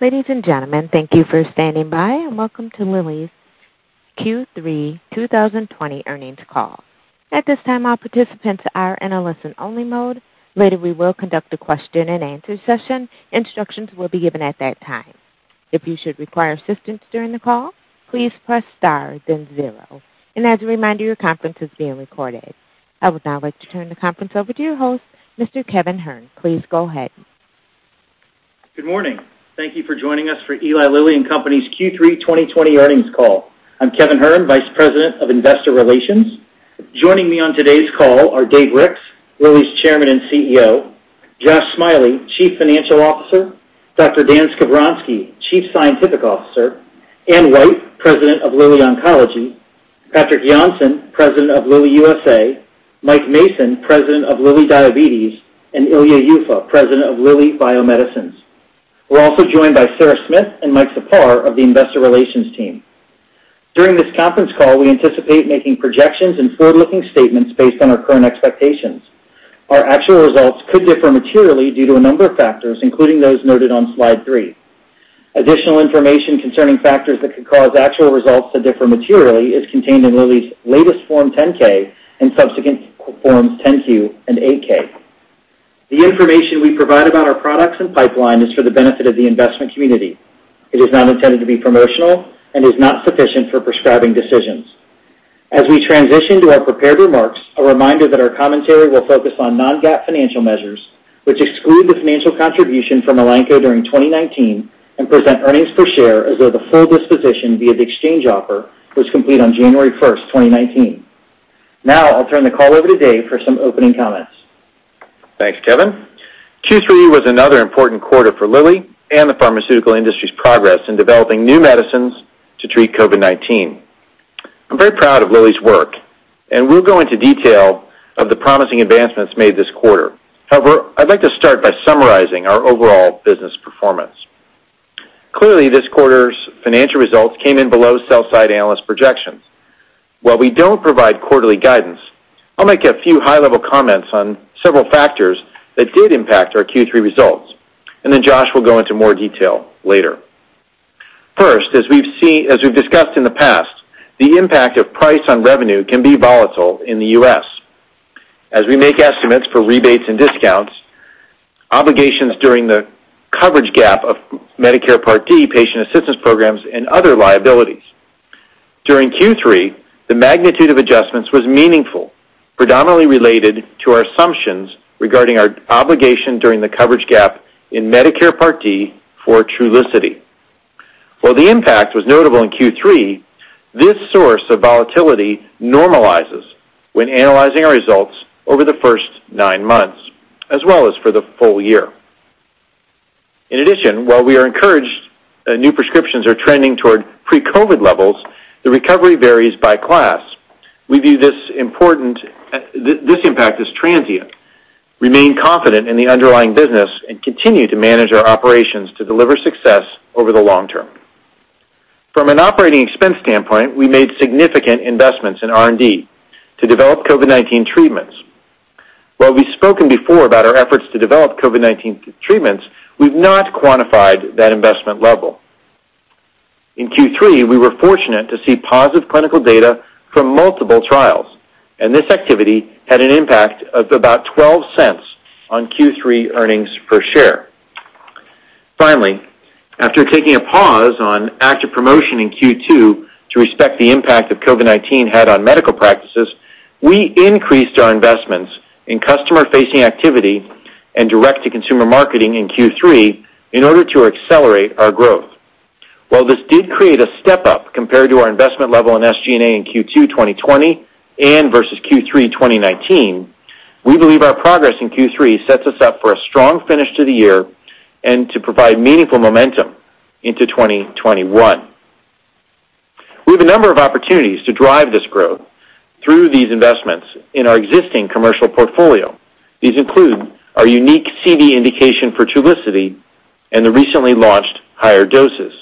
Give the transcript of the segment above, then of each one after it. I would now like to turn the conference over to your host, Mr. Kevin Hern. Please go ahead. Good morning. Thank you for joining us for Eli Lilly and Company's Q3 2020 earnings call. I'm Kevin Hern, Vice President of Investor Relations. Joining me on today's call are Dave Ricks, Lilly's Chairman and CEO, Josh Smiley, Chief Financial Officer, Dr. Dan Skovronsky, Chief Scientific Officer, Anne White, President of Lilly Oncology, Patrik Jonsson, President of Lilly USA, Mike Mason, President of Lilly Diabetes, and Ilya Yuffa, President of Lilly Bio-Medicines. We're also joined by Sarah Smith and Mike Czapar of the Investor Relations team. During this conference call, we anticipate making projections and forward-looking statements based on our current expectations. Our actual results could differ materially due to a number of factors, including those noted on slide three. Additional information concerning factors that could cause actual results to differ materially is contained in Lilly's latest Form 10-K and subsequent Forms 10-Q and 8-K. The information we provide about our products and pipeline is for the benefit of the investment community. It is not intended to be promotional and is not sufficient for prescribing decisions. As we transition to our prepared remarks, a reminder that our commentary will focus on non-GAAP financial measures, which exclude the financial contribution from Elanco during 2019 and present earnings per share as though the full disposition via the exchange offer was complete on January 1st, 2019. Now I'll turn the call over to Dave for some opening comments. Thanks, Kevin. Q3 was another important quarter for Lilly and the pharmaceutical industry's progress in developing new medicines to treat COVID-19. I'm very proud of Lilly's work, and we'll go into detail of the promising advancements made this quarter. However, I'd like to start by summarizing our overall business performance. Clearly, this quarter's financial results came in below sell side analyst projections. While we don't provide quarterly guidance, I'll make a few high level comments on several factors that did impact our Q3 results, and then Josh will go into more detail later. First, as we've discussed in the past, the impact of price on revenue can be volatile in the U.S. as we make estimates for rebates and discounts, obligations during the coverage gap of Medicare Part D patient assistance programs and other liabilities. During Q3, the magnitude of adjustments was meaningful, predominantly related to our assumptions regarding our obligation during the coverage gap in Medicare Part D for Trulicity. While the impact was notable in Q3, this source of volatility normalizes when analyzing our results over the first nine months as well as for the full year. In addition, while we are encouraged new prescriptions are trending toward pre-COVID levels, the recovery varies by class. We view this impact as transient, remain confident in the underlying business, and continue to manage our operations to deliver success over the long term. From an operating expense standpoint, we made significant investments in R&D to develop COVID-19 treatments. While we've spoken before about our efforts to develop COVID-19 treatments, we've not quantified that investment level. In Q3, we were fortunate to see positive clinical data from multiple trials, and this activity had an impact of about $0.12 on Q3 earnings per share. Finally, after taking a pause on active promotion in Q2 to respect the impact that COVID-19 had on medical practices, we increased our investments in customer-facing activity and direct to consumer marketing in Q3 in order to accelerate our growth. While this did create a step up compared to our investment level in SG&A in Q2 2020 and versus Q3 2019, we believe our progress in Q3 sets us up for a strong finish to the year and to provide meaningful momentum into 2021. We have a number of opportunities to drive this growth through these investments in our existing commercial portfolio. These include our unique CD indication for Trulicity and the recently launched higher doses,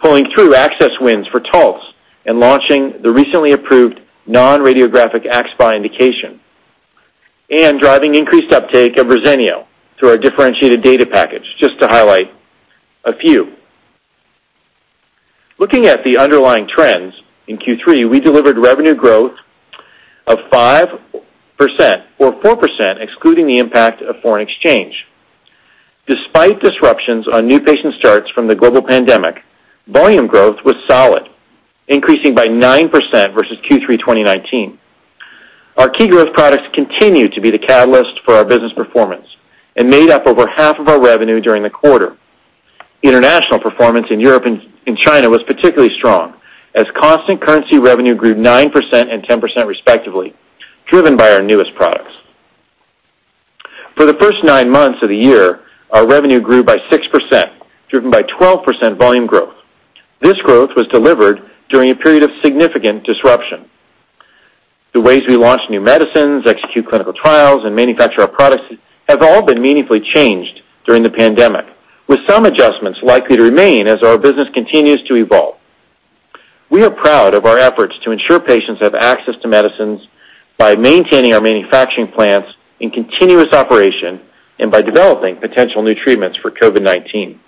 pulling through access wins for TALTZ and launching the recently approved non-radiographic axSpA indication, and driving increased uptake of Verzenio through our differentiated data package, just to highlight a few. Looking at the underlying trends, in Q3, we delivered revenue growth of 5% or 4% excluding the impact of foreign exchange. Despite disruptions on new patient starts from the global pandemic, volume growth was solid, increasing by 9% versus Q3 2019. Our key growth products continue to be the catalyst for our business performance and made up over half of our revenue during the quarter. International performance in Europe and China was particularly strong, as constant currency revenue grew 9% and 10% respectively, driven by our newest products. For the first nine months of the year, our revenue grew by 6%, driven by 12% volume growth. This growth was delivered during a period of significant disruption. The ways we launch new medicines, execute clinical trials, and manufacture our products have all been meaningfully changed during the pandemic, with some adjustments likely to remain as our business continues to evolve. We are proud of our efforts to ensure patients have access to medicines by maintaining our manufacturing plants in continuous operation and by developing potential new treatments for COVID-19.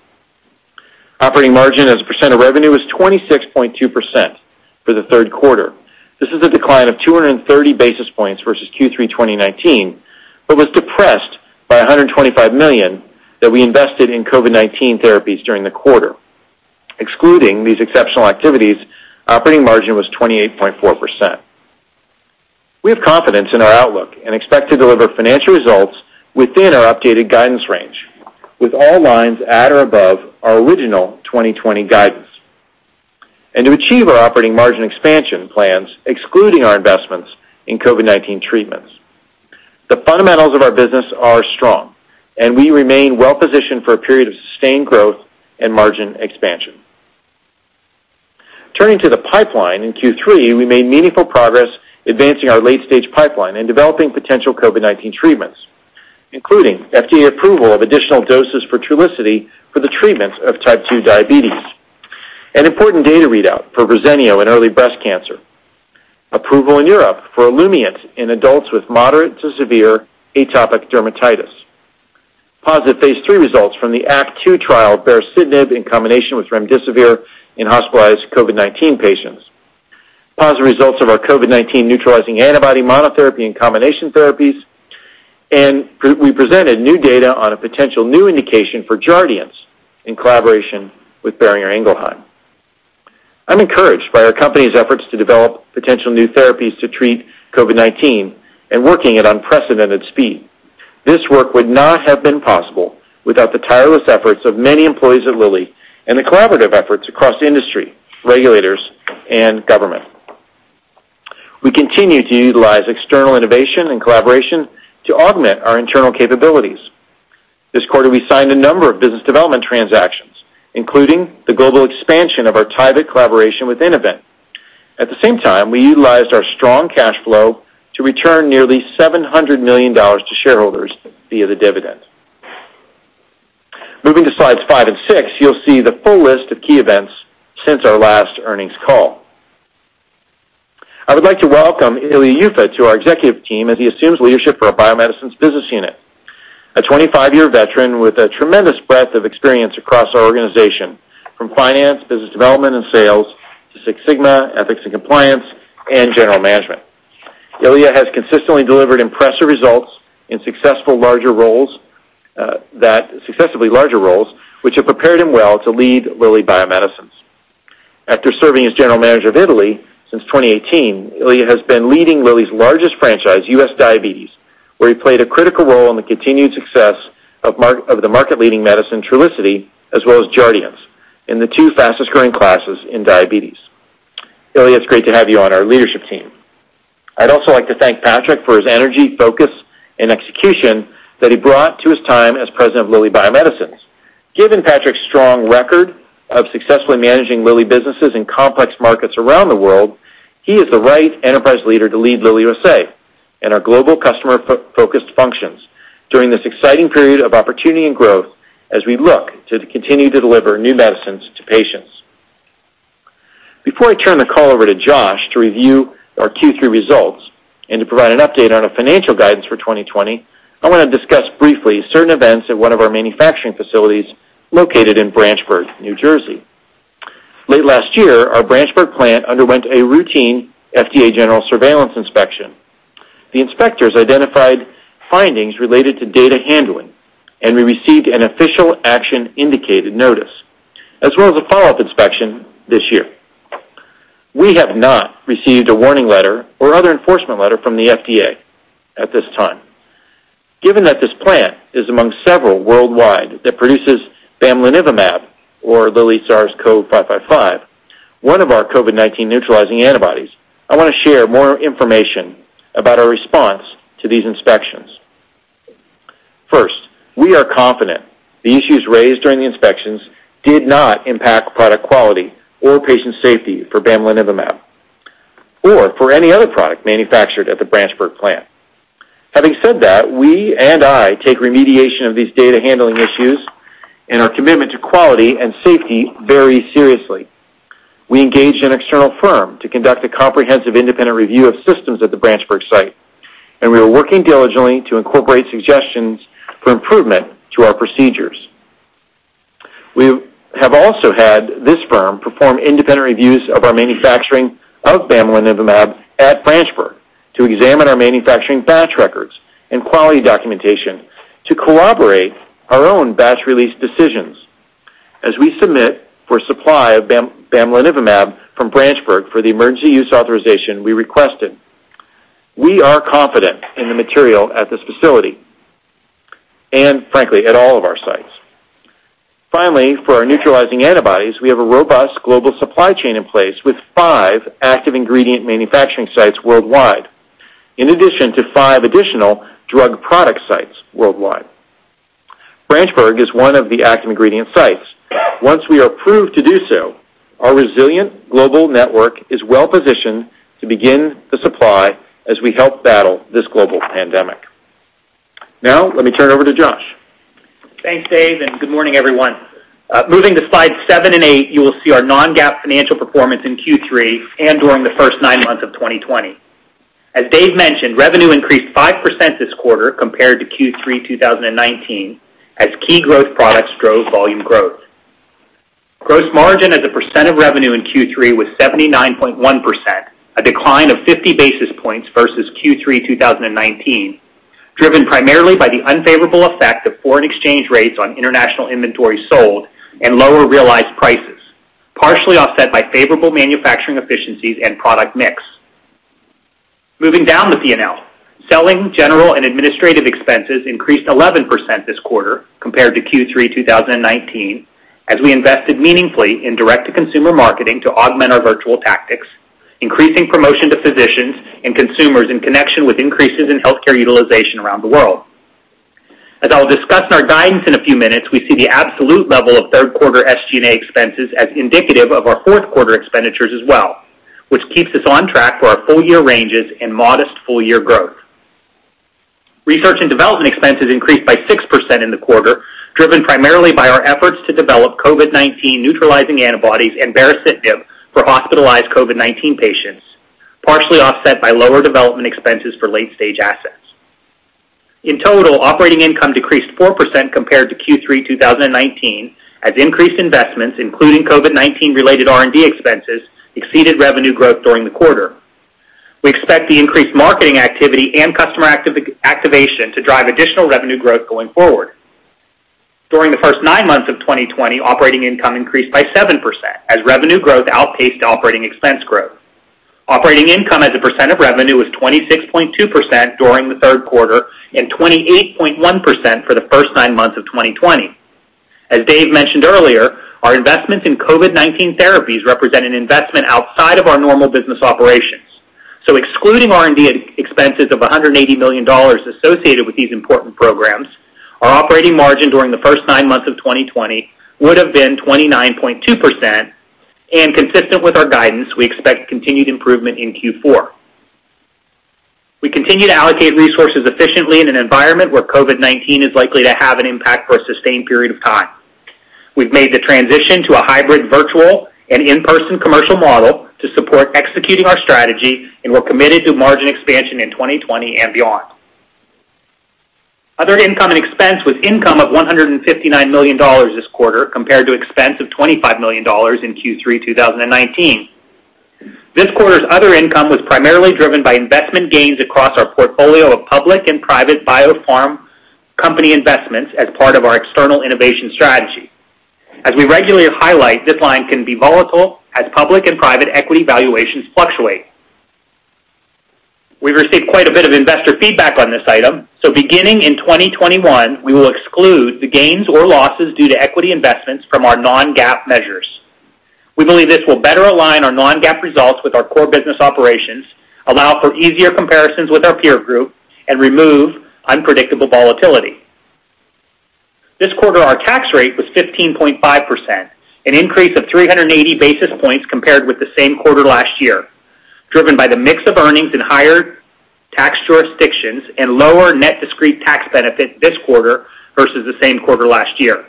Operating margin as a percent of revenue is 26.2% for the third quarter. This is a decline of 230 basis points versus Q3 2019, but was depressed by $125 million that we invested in COVID-19 therapies during the quarter. Excluding these exceptional activities, operating margin was 28.4%. We have confidence in our outlook and expect to deliver financial results within our updated guidance range, with all lines at or above our original 2020 guidance, and to achieve our operating margin expansion plans, excluding our investments in COVID-19 treatments. The fundamentals of our business are strong, and we remain well-positioned for a period of sustained growth and margin expansion. Turning to the pipeline in Q3, we made meaningful progress advancing our late-stage pipeline and developing potential COVID-19 treatments, including FDA approval of additional doses for Trulicity for the treatment of type 2 diabetes, an important data readout for Verzenio in early breast cancer, approval in Europe for Olumiant in adults with moderate to severe atopic dermatitis, positive phase III results from the ACTT-2 trial baricitinib in combination with remdesivir in hospitalized COVID-19 patients, positive results of our COVID-19 neutralizing antibody monotherapy and combination therapies, and we presented new data on a potential new indication for Jardiance in collaboration with Boehringer Ingelheim. I'm encouraged by our company's efforts to develop potential new therapies to treat COVID-19 and working at unprecedented speed. This work would not have been possible without the tireless efforts of many employees at Lilly and the collaborative efforts across industry, regulators, and government. We continue to utilize external innovation and collaboration to augment our internal capabilities. This quarter, we signed a number of business development transactions, including the global expansion of our TYVYT collaboration with Innovent. At the same time, we utilized our strong cash flow to return nearly $700 million to shareholders via the dividend. Moving to slides five and six, you'll see the full list of key events since our last earnings call. I would like to welcome Ilya Yuffa to our executive team as he assumes leadership for our Lilly Bio-Medicines business unit. A 25-year veteran with a tremendous breadth of experience across our organization, from finance, business development, and sales to Six Sigma, ethics and compliance, and general management. Ilya has consistently delivered impressive results in successfully larger roles, which have prepared him well to lead Lilly Bio-Medicines. After serving as General Manager of Italy since 2018, Ilya has been leading Lilly's largest franchise, U.S. Diabetes, where he played a critical role in the continued success of the market-leading medicine Trulicity, as well as JARDIANCE, in the two fastest-growing classes in diabetes. Ilya, it's great to have you on our leadership team. I'd also like to thank Patrik for his energy, focus, and execution that he brought to his time as President of Lilly Bio-Medicines. Given Patrik's strong record of successfully managing Lilly businesses in complex markets around the world, he is the right enterprise leader to lead Lilly USA and our global customer-focused functions during this exciting period of opportunity and growth as we look to continue to deliver new medicines to patients. Before I turn the call over to Josh to review our Q3 results and to provide an update on our financial guidance for 2020, I want to discuss briefly certain events at one of our manufacturing facilities located in Branchburg, New Jersey. Late last year, our Branchburg plant underwent a routine FDA general surveillance inspection. The inspectors identified findings related to data handling, and we received an official action indicated notice, as well as a follow-up inspection this year. We have not received a warning letter or other enforcement letter from the FDA at this time. Given that this plant is among several worldwide that produces bamlanivimab, or LY-CoV555, one of our COVID-19 neutralizing antibodies, I want to share more information about our response to these inspections. We are confident the issues raised during the inspections did not impact product quality or patient safety for bamlanivimab or for any other product manufactured at the Branchburg plant. Having said that, we and I take remediation of these data handling issues and our commitment to quality and safety very seriously. We engaged an external firm to conduct a comprehensive independent review of systems at the Branchburg site. We are working diligently to incorporate suggestions for improvement to our procedures. We have also had this firm perform independent reviews of our manufacturing of bamlanivimab at Branchburg to examine our manufacturing batch records and quality documentation to corroborate our own batch release decisions. As we submit for supply of bamlanivimab from Branchburg for the emergency use authorization we requested, we are confident in the material at this facility and frankly, at all of our sites. Finally, for our neutralizing antibodies, we have a robust global supply chain in place with five active ingredient manufacturing sites worldwide, in addition to five additional drug product sites worldwide. Branchburg is one of the active ingredient sites. Once we are approved to do so, our resilient global network is well positioned to begin the supply as we help battle this global pandemic. Now let me turn it over to Josh. Thanks, Dave, and good morning, everyone. Moving to slide seven and eight, you will see our non-GAAP financial performance in Q3 and during the first nine months of 2020. As Dave mentioned, revenue increased 5% this quarter compared to Q3 2019 as key growth products drove volume growth. Gross margin as a percent of revenue in Q3 was 79.1%, a decline of 50 basis points versus Q3 2019, driven primarily by the unfavorable effect of foreign exchange rates on international inventory sold and lower realized prices, partially offset by favorable manufacturing efficiencies and product mix. Moving down the P&L, selling, general, and administrative expenses increased 11% this quarter compared to Q3 2019 as we invested meaningfully in direct-to-consumer marketing to augment our virtual tactics, increasing promotion to physicians and consumers in connection with increases in healthcare utilization around the world. As I'll discuss in our guidance in a few minutes, we see the absolute level of third quarter SG&A expenses as indicative of our fourth quarter expenditures as well, which keeps us on track for our full year ranges and modest full year growth. Research and development expenses increased by 6% in the quarter, driven primarily by our efforts to develop COVID-19 neutralizing antibodies and baricitinib for hospitalized COVID-19 patients, partially offset by lower development expenses for late-stage assets. In total, operating income decreased 4% compared to Q3 2019 as increased investments, including COVID-19 related R&D expenses, exceeded revenue growth during the quarter. We expect the increased marketing activity and customer activation to drive additional revenue growth going forward. During the first nine months of 2020, operating income increased by 7% as revenue growth outpaced operating expense growth. Operating income as a percent of revenue was 26.2% during the third quarter and 28.1% for the first nine months of 2020. As Dave mentioned earlier, our investments in COVID-19 therapies represent an investment outside of our normal business operations. Excluding R&D expenses of $180 million associated with these important programs, our operating margin during the first nine months of 2020 would've been 29.2%, and consistent with our guidance, we expect continued improvement in Q4. We continue to allocate resources efficiently in an environment where COVID-19 is likely to have an impact for a sustained period of time. We've made the transition to a hybrid virtual and in-person commercial model to support executing our strategy, and we're committed to margin expansion in 2020 and beyond. Other income and expense was income of $159 million this quarter, compared to expense of $25 million in Q3 2019. This quarter's other income was primarily driven by investment gains across our portfolio of public and private biopharm company investments as part of our external innovation strategy. As we regularly highlight, this line can be volatile as public and private equity valuations fluctuate. We've received quite a bit of investor feedback on this item, so beginning in 2021, we will exclude the gains or losses due to equity investments from our non-GAAP measures. We believe this will better align our non-GAAP results with our core business operations, allow for easier comparisons with our peer group, and remove unpredictable volatility. This quarter, our tax rate was 15.5%, an increase of 380 basis points compared with the same quarter last year, driven by the mix of earnings in higher tax jurisdictions and lower net discrete tax benefit this quarter versus the same quarter last year.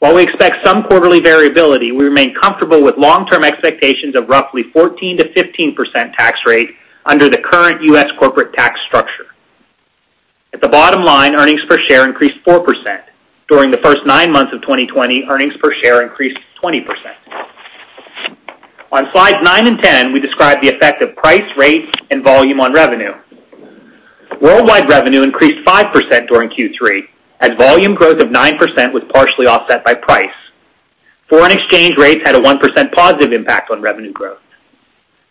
While we expect some quarterly variability, we remain comfortable with long-term expectations of roughly 14%-15% tax rate under the current U.S. corporate tax structure. At the bottom line, earnings per share increased 4%. During the first nine months of 2020, earnings per share increased 20%. On slide nine and 10, we describe the effect of price, rates, and volume on revenue. Worldwide revenue increased 5% during Q3 as volume growth of 9% was partially offset by price. Foreign exchange rates had a 1% positive impact on revenue growth.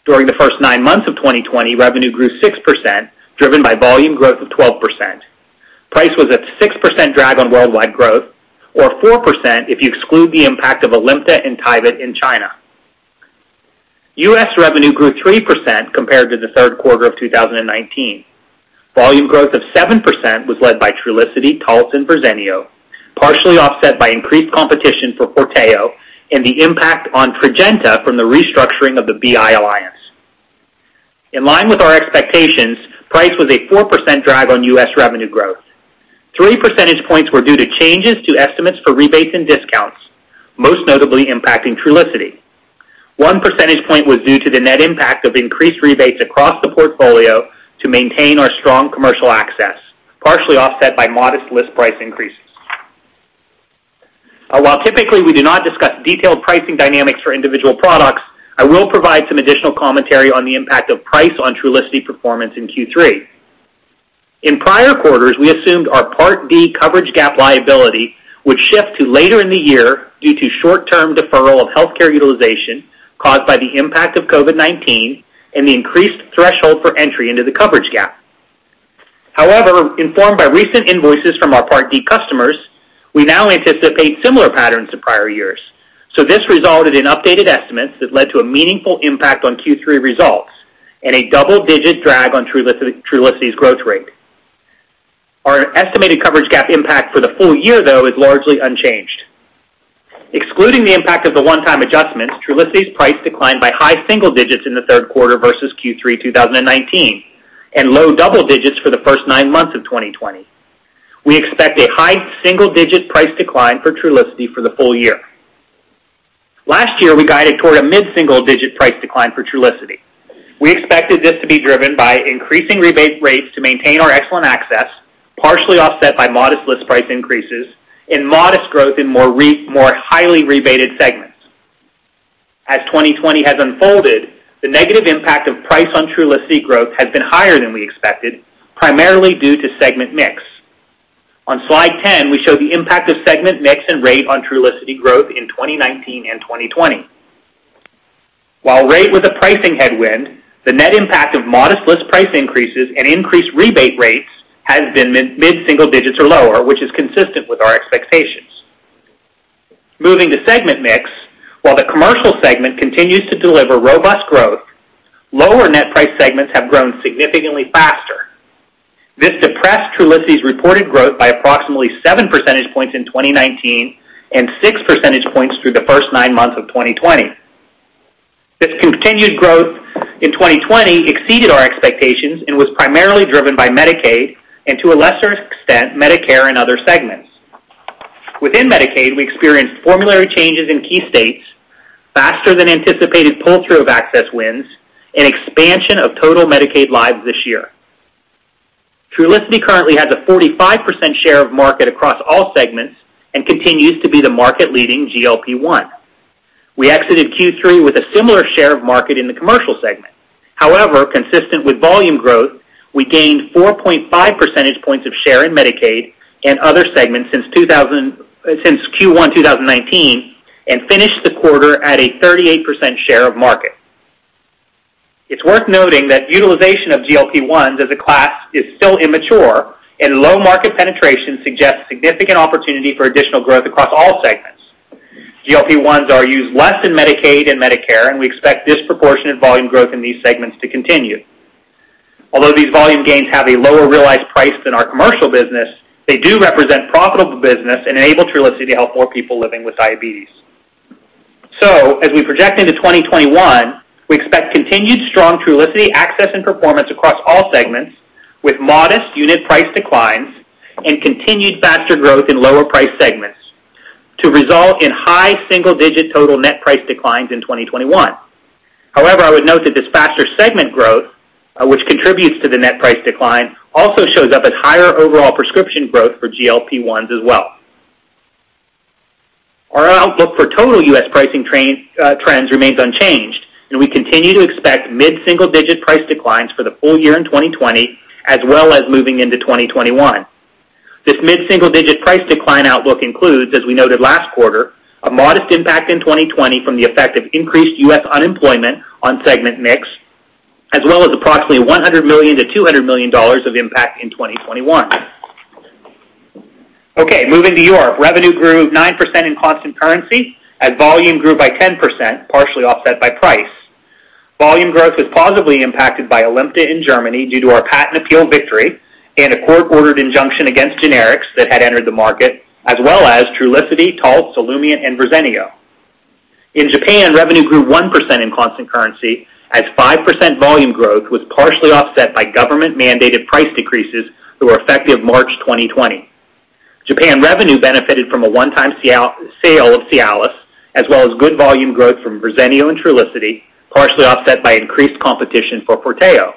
During the first nine months of 2020, revenue grew 6%, driven by volume growth of 12%. Price was a 6% drag on worldwide growth or 4% if you exclude the impact of ALIMTA and TYVYT in China. U.S. revenue grew 3% compared to the third quarter of 2019. Volume growth of 7% was led by Trulicity, TALTZ, and Verzenio, partially offset by increased competition for FORTEO and the impact on Tradjenta from the restructuring of the BI alliance. In line with our expectations, price was a 4% drag on U.S. revenue growth. Three percentage points were due to changes to estimates for rebates and discounts, most notably impacting Trulicity. One percentage point was due to the net impact of increased rebates across the portfolio to maintain our strong commercial access, partially offset by modest list price increases. Typically we do not discuss detailed pricing dynamics for individual products, I will provide some additional commentary on the impact of price on Trulicity performance in Q3. In prior quarters, we assumed our Part D coverage gap liability would shift to later in the year due to short-term deferral of healthcare utilization caused by the impact of COVID-19 and the increased threshold for entry into the coverage gap. However, informed by recent invoices from our Part D customers, we now anticipate similar patterns to prior years. This resulted in updated estimates that led to a meaningful impact on Q3 results and a double-digit drag on Trulicity's growth rate. Our estimated coverage gap impact for the full year, though, is largely unchanged. Excluding the impact of the one-time adjustments, Trulicity's price declined by high single digits in the third quarter versus Q3 2019, and low double digits for the first nine months of 2020. We expect a high single-digit price decline for Trulicity for the full year. Last year, we guided toward a mid-single digit price decline for Trulicity. We expected this to be driven by increasing rebate rates to maintain our excellent access, partially offset by modest list price increases and modest growth in more highly rebated segments. As 2020 has unfolded, the negative impact of price on Trulicity growth has been higher than we expected, primarily due to segment mix. On slide 10, we show the impact of segment mix and rate on Trulicity growth in 2019 and 2020. While rate was a pricing headwind, the net impact of modest list price increases and increased rebate rates has been mid-single digits or lower, which is consistent with our expectations. Moving to segment mix, while the commercial segment continues to deliver robust growth, lower net price segments have grown significantly faster. This depressed Trulicity's reported growth by approximately seven percentage points in 2019 and six percentage points through the first nine months of 2020. This continued growth in 2020 exceeded our expectations and was primarily driven by Medicaid and, to a lesser extent, Medicare and other segments. Within Medicaid, we experienced formulary changes in key states, faster-than-anticipated pull-through of access wins, and expansion of total Medicaid lives this year. Trulicity currently has a 45% share of market across all segments and continues to be the market-leading GLP-1. We exited Q3 with a similar share of market in the commercial segment. However, consistent with volume growth, we gained 4.5 percentage points of share in Medicaid and other segments since Q1 2019 and finished the quarter at a 38% share of market. It's worth noting that utilization of GLP-1s as a class is still immature, and low market penetration suggests significant opportunity for additional growth across all segments. We expect disproportionate volume growth in these segments to continue. Although these volume gains have a lower realized price than our commercial business, they do represent profitable business and enable Trulicity to help more people living with diabetes. As we project into 2021, we expect continued strong Trulicity access and performance across all segments, with modest unit price declines and continued faster growth in lower price segments to result in high single-digit total net price declines in 2021. However, I would note that this faster segment growth, which contributes to the net price decline, also shows up as higher overall prescription growth for GLP-1s as well. Our outlook for total U.S. pricing trends remains unchanged, and we continue to expect mid-single-digit price declines for the full year 2020, as well as into 2021. This mid-single-digit price decline outlook includes, as we noted last quarter, a modest impact in 2020 from the effect of increased U.S. unemployment on segment mix, as well as approximately $100 million-$200 million of impact in 2021. Okay, moving to Europe. Revenue grew 9% in constant currency as volume grew by 10%, partially offset by price. Volume growth was positively impacted by ALIMTA in Germany due to our patent appeal victory and a court-ordered injunction against generics that had entered the market, as well as Trulicity, TALTZ, Olumiant, and Verzenio. In Japan, revenue grew 1% in constant currency as 5% volume growth was partially offset by government-mandated price decreases that were effective March 2020. Japan revenue benefited from a one-time sale of Cialis, as well as good volume growth from Verzenio and Trulicity, partially offset by increased competition for FORTEO.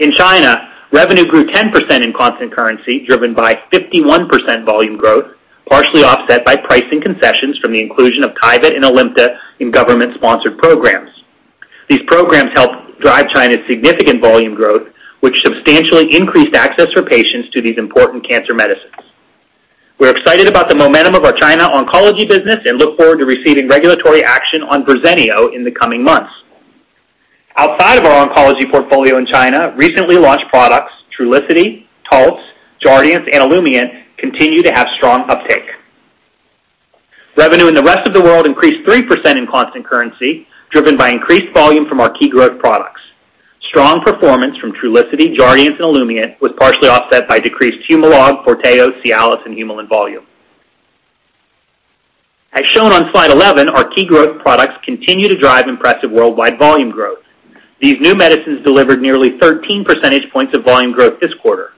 In China, revenue grew 10% in constant currency, driven by 51% volume growth, partially offset by pricing concessions from the inclusion of CYRAMZA and ALIMTA in government-sponsored programs. These programs helped drive China's significant volume growth, which substantially increased access for patients to these important cancer medicines. We're excited about the momentum of our China oncology business and look forward to receiving regulatory action on Verzenio in the coming months. Outside of our oncology portfolio in China, recently launched products Trulicity, Taltz, Jardiance, and Olumiant continue to have strong uptake. Revenue in the rest of the world increased 3% in constant currency, driven by increased volume from our key growth products. Strong performance from Trulicity, Jardiance, and Olumiant was partially offset by decreased Humalog, FORTEO, Cialis, and Humulin volume. As shown on slide 11, our key growth products continue to drive impressive worldwide volume growth. These new medicines delivered nearly 13 percentage points of volume growth this quarter.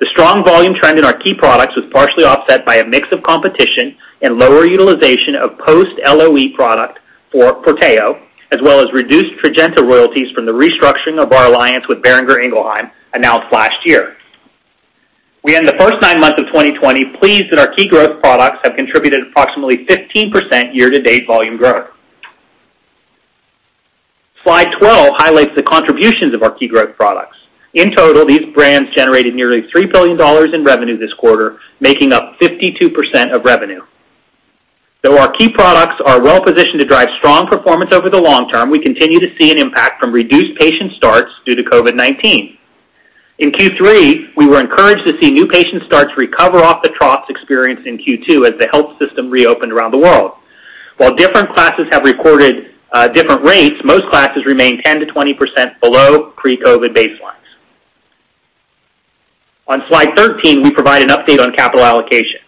The strong volume trend in our key products was partially offset by a mix of competition and lower utilization of post-LOE product for FORTEO, as well as reduced Tradjenta royalties from the restructuring of our alliance with Boehringer Ingelheim announced last year. We end the first nine months of 2020 pleased that our key growth products have contributed approximately 15% year-to-date volume growth. Slide 12 highlights the contributions of our key growth products. In total, these brands generated nearly $3 billion in revenue this quarter, making up 52% of revenue. Though our key products are well positioned to drive strong performance over the long term, we continue to see an impact from reduced patient starts due to COVID-19. In Q3, we were encouraged to see new patient starts recover off the troughs experienced in Q2 as the health system reopened around the world. While different classes have recorded different rates, most classes remain 10%-20% below pre-COVID baseline. On slide 13, we provide an update on capital allocation.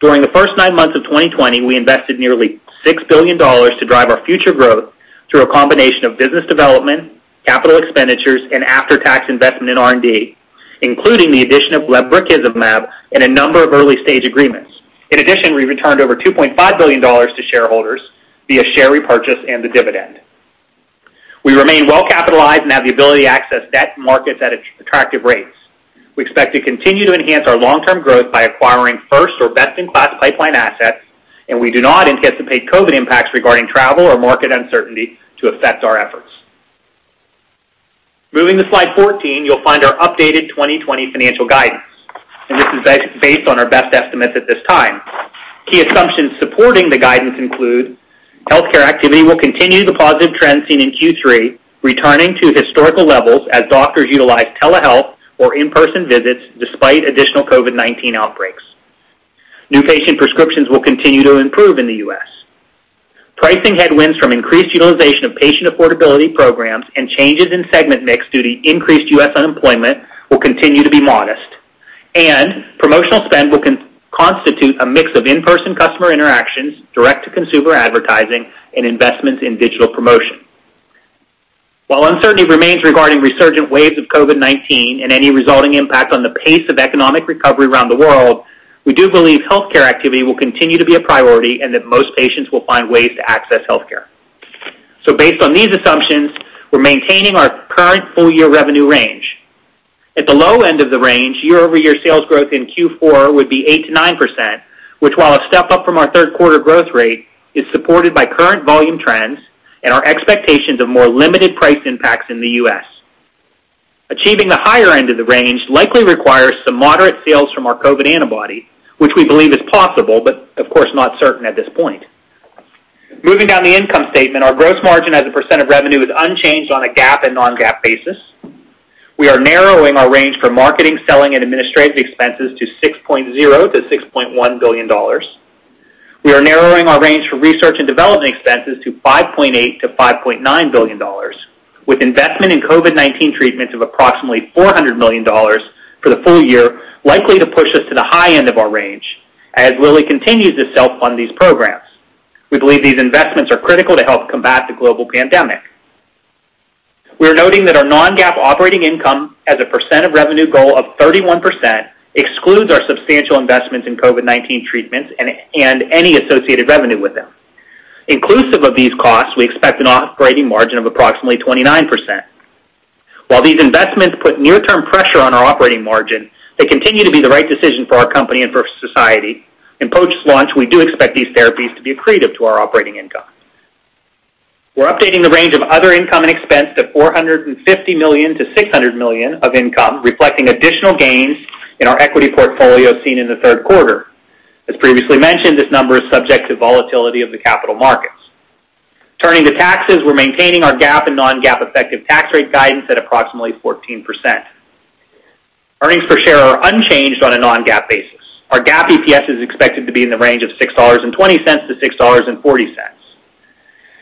During the first nine months of 2020, we invested nearly $6 billion to drive our future growth through a combination of business development, capital expenditures, and after-tax investment in R&D, including the addition of lebrikizumab and a number of early-stage agreements. In addition, we returned over $2.5 billion to shareholders via share repurchase and the dividend. We remain well-capitalized and have the ability to access debt markets at attractive rates. We expect to continue to enhance our long-term growth by acquiring first or best-in-class pipeline assets. We do not anticipate COVID impacts regarding travel or market uncertainty to affect our efforts. Moving to slide 14, you'll find our updated 2020 financial guidance. This is based on our best estimates at this time. Key assumptions supporting the guidance include healthcare activity will continue the positive trend seen in Q3, returning to historical levels as doctors utilize telehealth or in-person visits despite additional COVID-19 outbreaks. New patient prescriptions will continue to improve in the U.S. Pricing headwinds from increased utilization of patient affordability programs and changes in segment mix due to increased U.S. unemployment will continue to be modest. Promotional spend will constitute a mix of in-person customer interactions, direct-to-consumer advertising, and investments in digital promotion. While uncertainty remains regarding resurgent waves of COVID-19 and any resulting impact on the pace of economic recovery around the world, we do believe healthcare activity will continue to be a priority and that most patients will find ways to access healthcare. Based on these assumptions, we're maintaining our current full-year revenue range. At the low end of the range, year-over-year sales growth in Q4 would be 8%-9%, which while a step up from our third quarter growth rate, is supported by current volume trends and our expectations of more limited price impacts in the U.S. Achieving the higher end of the range likely requires some moderate sales from our COVID antibody, which we believe is possible, but of course not certain at this point. Moving down the income statement, our gross margin as a percent of revenue is unchanged on a GAAP and non-GAAP basis. We are narrowing our range for marketing, selling, and administrative expenses to $6.0 billion-$6.1 billion. We are narrowing our range for research and development expenses to $5.8 billion-$5.9 billion, with investment in COVID-19 treatments of approximately $400 million for the full year likely to push us to the high end of our range as Lilly continues to self-fund these programs. We believe these investments are critical to help combat the global pandemic. We're noting that our non-GAAP operating income as a percent of revenue goal of 31% excludes our substantial investments in COVID-19 treatments and any associated revenue with them. Inclusive of these costs, we expect an operating margin of approximately 29%. While these investments put near-term pressure on our operating margin, they continue to be the right decision for our company and for society. Post-launch, we do expect these therapies to be accretive to our operating income. We're updating the range of other income and expense to $450 million to $600 million of income, reflecting additional gains in our equity portfolio seen in the third quarter. As previously mentioned, this number is subject to volatility of the capital markets. Turning to taxes, we're maintaining our GAAP and non-GAAP effective tax rate guidance at approximately 14%. Earnings per share are unchanged on a non-GAAP basis. Our GAAP EPS is expected to be in the range of $6.20-$6.40.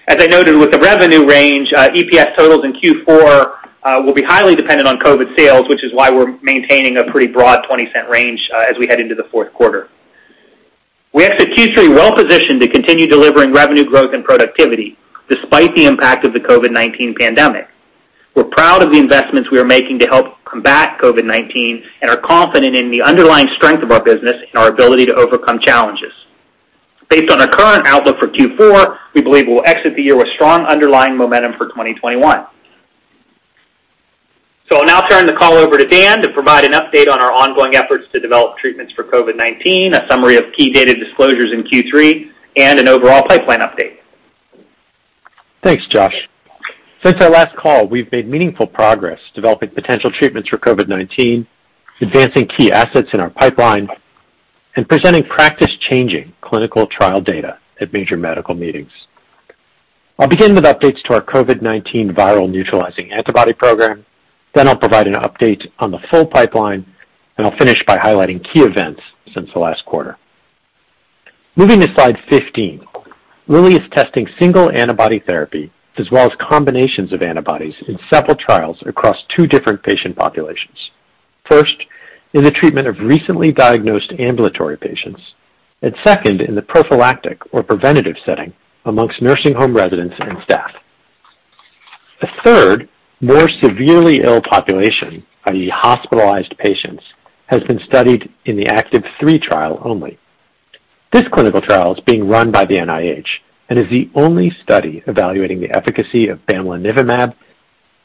As I noted with the revenue range, EPS totals in Q4 will be highly dependent on COVID sales, which is why we're maintaining a pretty broad $0.20 range as we head into the fourth quarter. We entered Q3 well-positioned to continue delivering revenue growth and productivity despite the impact of the COVID-19 pandemic. We're proud of the investments we are making to help combat COVID-19 and are confident in the underlying strength of our business and our ability to overcome challenges. Based on our current outlook for Q4, we believe we'll exit the year with strong underlying momentum for 2021. I'll now turn the call over to Dan to provide an update on our ongoing efforts to develop treatments for COVID-19, a summary of key data disclosures in Q3, and an overall pipeline update. Thanks, Josh. Since our last call, we've made meaningful progress developing potential treatments for COVID-19, advancing key assets in our pipeline, and presenting practice-changing clinical trial data at major medical meetings. I'll begin with updates to our COVID-19 viral neutralizing antibody program, then I'll provide an update on the full pipeline, and I'll finish by highlighting key events since the last quarter. Moving to slide 15, Lilly is testing single antibody therapy as well as combinations of antibodies in several trials across two different patient populations. First, in the treatment of recently diagnosed ambulatory patients, and second in the prophylactic or preventative setting amongst nursing home residents and staff. A third, more severely ill population, i.e., hospitalized patients, has been studied in the ACTIV-3 trial only. This clinical trial is being run by the NIH and is the only study evaluating the efficacy of bamlanivimab,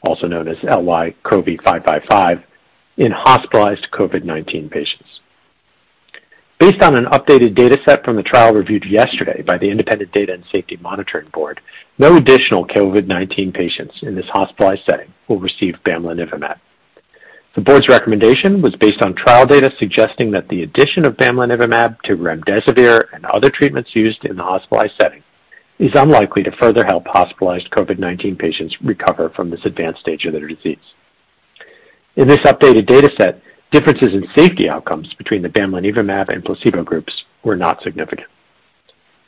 also known as LY-CoV555, in hospitalized COVID-19 patients. Based on an updated data set from the trial reviewed yesterday by the independent Data and Safety Monitoring Board, no additional COVID-19 patients in this hospitalized setting will receive bamlanivimab. The board's recommendation was based on trial data suggesting that the addition of bamlanivimab to remdesivir and other treatments used in the hospitalized setting is unlikely to further help hospitalized COVID-19 patients recover from this advanced stage of their disease. In this updated data set, differences in safety outcomes between the bamlanivimab and placebo groups were not significant.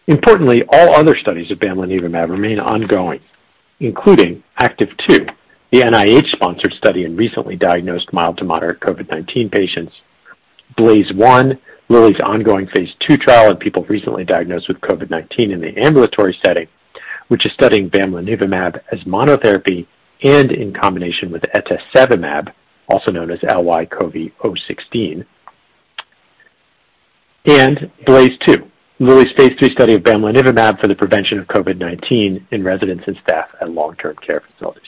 Importantly, all other studies of bamlanivimab remain ongoing, including ACTIV-2, the NIH-sponsored study in recently diagnosed mild to moderate COVID-19 patients, BLAZE-1, Lilly's ongoing phase II trial in people recently diagnosed with COVID-19 in the ambulatory setting, which is studying bamlanivimab as monotherapy and in combination with etesevimab, also known as LY-CoV016, and BLAZE-2, Lilly's phase III study of bamlanivimab for the prevention of COVID-19 in residents and staff at long-term care facilities.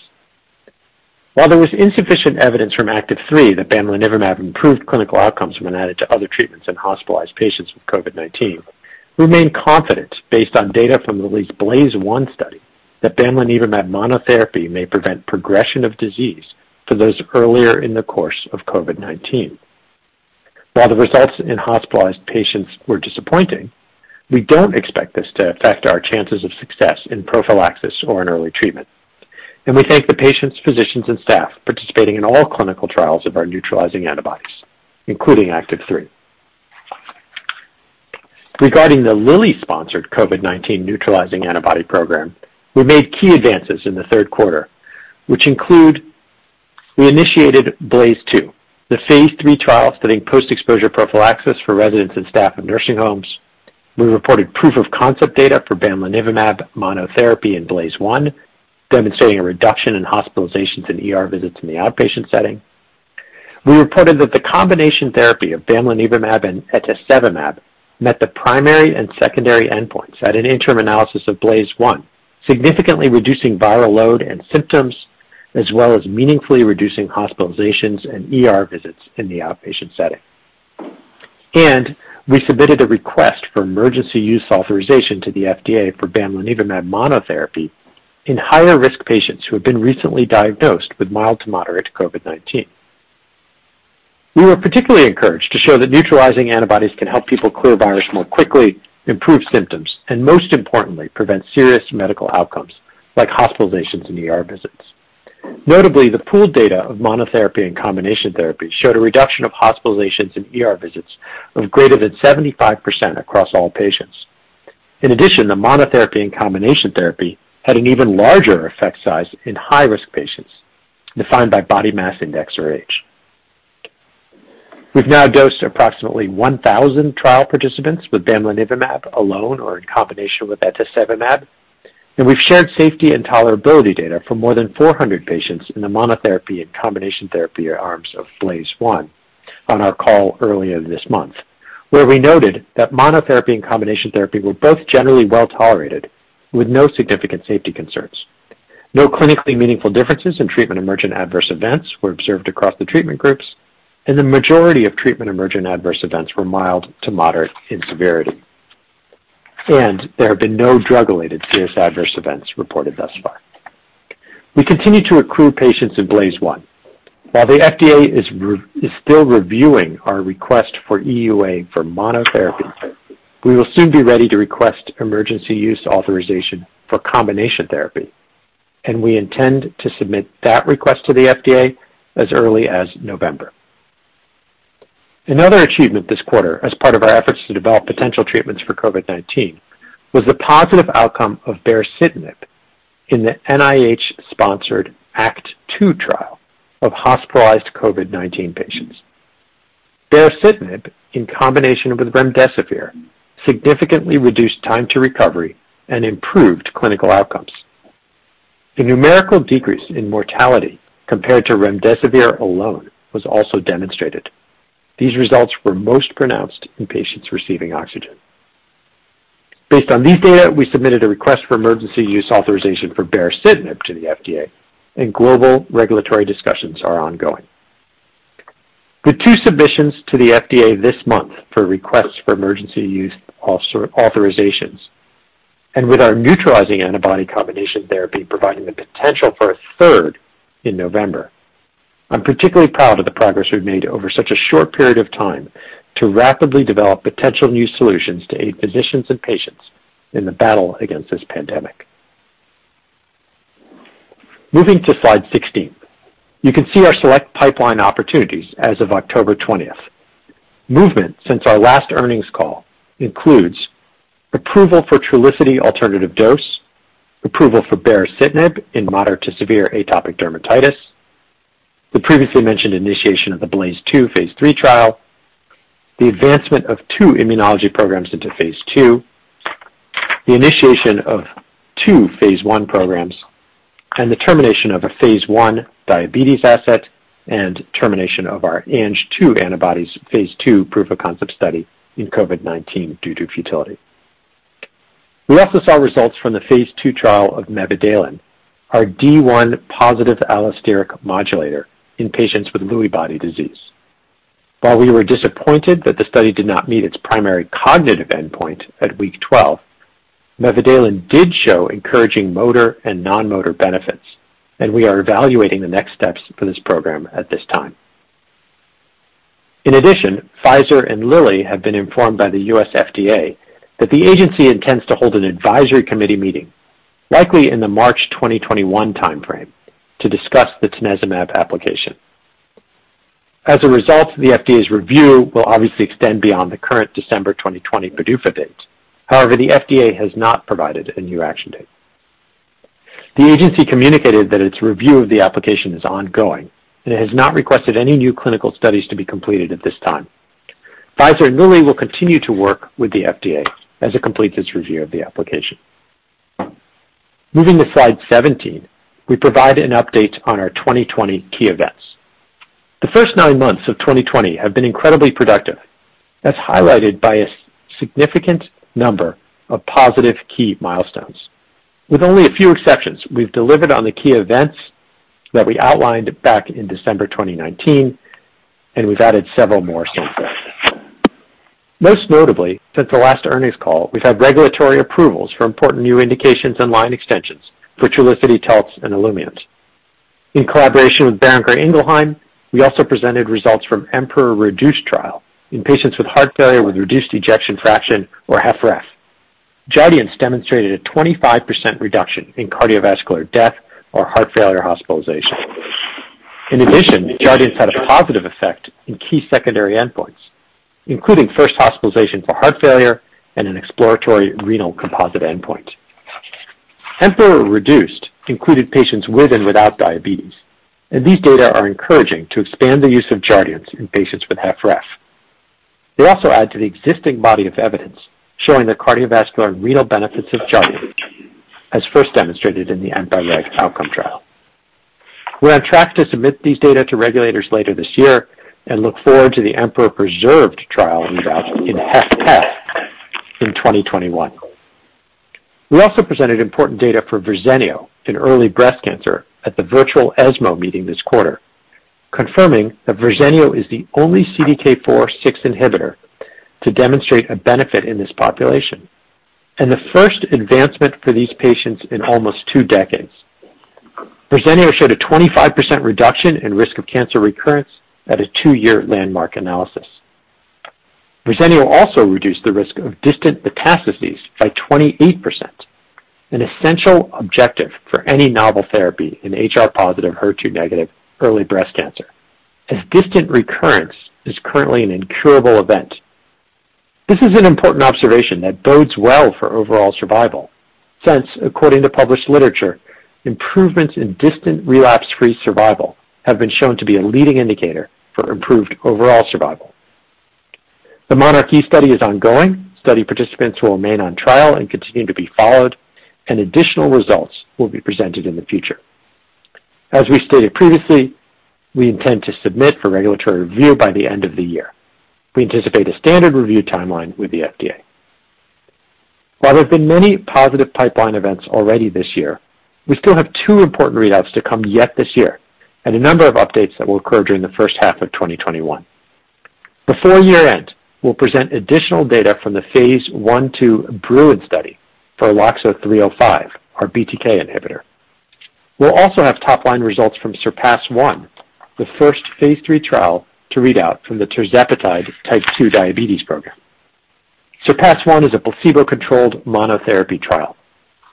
While there was insufficient evidence from ACTIV-3 that bamlanivimab improved clinical outcomes when added to other treatments in hospitalized patients with COVID-19, we remain confident based on data from Lilly's BLAZE-1 study that bamlanivimab monotherapy may prevent progression of disease for those earlier in the course of COVID-19. While the results in hospitalized patients were disappointing, we don't expect this to affect our chances of success in prophylaxis or in early treatment, and we thank the patients, physicians, and staff participating in all clinical trials of our neutralizing antibodies, including ACTIV-3. Regarding the Lilly-sponsored COVID-19 neutralizing antibody program, we made key advances in the third quarter, which include we initiated BLAZE-2, the phase III trial studying post-exposure prophylaxis for residents and staff in nursing homes. We reported proof of concept data for bamlanivimab monotherapy in BLAZE-1, demonstrating a reduction in hospitalizations and ER visits in the outpatient setting. We reported that the combination therapy of bamlanivimab and etesevimab met the primary and secondary endpoints at an interim analysis of BLAZE-1, significantly reducing viral load and symptoms, as well as meaningfully reducing hospitalizations and ER visits in the outpatient setting. We submitted a request for emergency use authorization to the FDA for bamlanivimab monotherapy in higher risk patients who have been recently diagnosed with mild to moderate COVID-19. We were particularly encouraged to show that neutralizing antibodies can help people clear virus more quickly, improve symptoms, and most importantly, prevent serious medical outcomes like hospitalizations and ER visits. Notably, the pooled data of monotherapy and combination therapy showed a reduction of hospitalizations and ER visits of greater than 75% across all patients. In addition, the monotherapy and combination therapy had an even larger effect size in high-risk patients defined by body mass index or age. We've now dosed approximately 1,000 trial participants with bamlanivimab alone or in combination with etesevimab, and we've shared safety and tolerability data for more than 400 patients in the monotherapy and combination therapy arms of BLAZE-1 on our call earlier this month, where we noted that monotherapy and combination therapy were both generally well-tolerated with no significant safety concerns. No clinically meaningful differences in treatment-emergent adverse events were observed across the treatment groups, and the majority of treatment-emergent adverse events were mild to moderate in severity, and there have been no drug-related serious adverse events reported thus far. We continue to accrue patients in BLAZE-1. While the FDA is still reviewing our request for EUA for monotherapy, we will soon be ready to request emergency use authorization for combination therapy, and we intend to submit that request to the FDA as early as November. Another achievement this quarter as part of our efforts to develop potential treatments for COVID-19 was the positive outcome of baricitinib in the NIH-sponsored ACTT-2 trial of hospitalized COVID-19 patients. Baricitinib in combination with remdesivir significantly reduced time to recovery and improved clinical outcomes. A numerical decrease in mortality compared to remdesivir alone was also demonstrated. These results were most pronounced in patients receiving oxygen. Based on these data, we submitted a request for emergency use authorization for baricitinib to the FDA, and global regulatory discussions are ongoing. With two submissions to the FDA this month for requests for emergency use authorizations, and with our neutralizing antibody combination therapy providing the potential for a third in November, I'm particularly proud of the progress we've made over such a short period of time to rapidly develop potential new solutions to aid physicians and patients in the battle against this pandemic. Moving to slide 16. You can see our select pipeline opportunities as of October 20th. Movement since our last earnings call includes approval for Trulicity alternative dose, approval for baricitinib in moderate to severe atopic dermatitis, the previously mentioned initiation of the BLAZE-2 phase III trial, the advancement of two immunology programs into phase II, the initiation of two phase I programs, and the termination of a phase I diabetes asset and termination of our Ang2 antibodies phase II proof of concept study in COVID-19 due to futility. We also saw results from the phase II trial of mevidalen, our D1-positive allosteric modulator in patients with Lewy body disease. While we were disappointed that the study did not meet its primary cognitive endpoint at week 12, mevidalen did show encouraging motor and non-motor benefits, and we are evaluating the next steps for this program at this time. In addition, Pfizer and Lilly have been informed by the U.S. FDA that the agency intends to hold an advisory committee meeting, likely in the March 2021 timeframe, to discuss the tanezumab application. The FDA's review will obviously extend beyond the current December 2020 PDUFA date. The FDA has not provided a new action date. The agency communicated that its review of the application is ongoing and it has not requested any new clinical studies to be completed at this time. Pfizer and Lilly will continue to work with the FDA as it completes its review of the application. Moving to slide 17, we provide an update on our 2020 key events. The first nine months of 2020 have been incredibly productive, as highlighted by a significant number of positive key milestones. With only a few exceptions, we've delivered on the key events that we outlined back in December 2019, and we've added several more since then. Most notably, since the last earnings call, we've had regulatory approvals for important new indications and line extensions for Trulicity, TALTZ, and Olumiant. In collaboration with Boehringer Ingelheim, we also presented results from EMPEROR-Reduced trial in patients with heart failure with reduced ejection fraction or HFrEF. Jardiance demonstrated a 25% reduction in cardiovascular death or heart failure hospitalization. In addition, Jardiance had a positive effect in key secondary endpoints, including first hospitalization for heart failure and an exploratory renal composite endpoint. EMPEROR-Reduced included patients with and without diabetes, and these data are encouraging to expand the use of Jardiance in patients with HFrEF. They also add to the existing body of evidence showing the cardiovascular and renal benefits of Jardiance, as first demonstrated in the EMPA-REG OUTCOME trial. We're on track to submit these data to regulators later this year and look forward to the EMPEROR-Preserved trial readout in HFpEF in 2021. We also presented important data for Verzenio in early breast cancer at the virtual ESMO meeting this quarter, confirming that Verzenio is the only CDK4/6 inhibitor to demonstrate a benefit in this population and the first advancement for these patients in almost two decades. Verzenio showed a 25% reduction in risk of cancer recurrence at a two-year landmark analysis. Verzenio also reduced the risk of distant metastases by 28%, an essential objective for any novel therapy in HR-positive, HER2-negative early breast cancer, as distant recurrence is currently an incurable event. This is an important observation that bodes well for overall survival since, according to published literature, improvements in distant relapse-free survival have been shown to be a leading indicator for improved overall survival. The monarchE study is ongoing. Study participants will remain on trial and continue to be followed, and additional results will be presented in the future. We stated previously, we intend to submit for regulatory review by the end of the year. We anticipate a standard review timeline with the FDA. While there have been many positive pipeline events already this year, we still have two important readouts to come yet this year and a number of updates that will occur during the first half of 2021. Year-end, we'll present additional data from the phase I/II BRUIN study for LOXO-305, our BTK inhibitor. We'll also have top-line results from SURPASS-1, the first phase III trial to read out from the tirzepatide type 2 diabetes program. SURPASS-1 is a placebo-controlled monotherapy trial.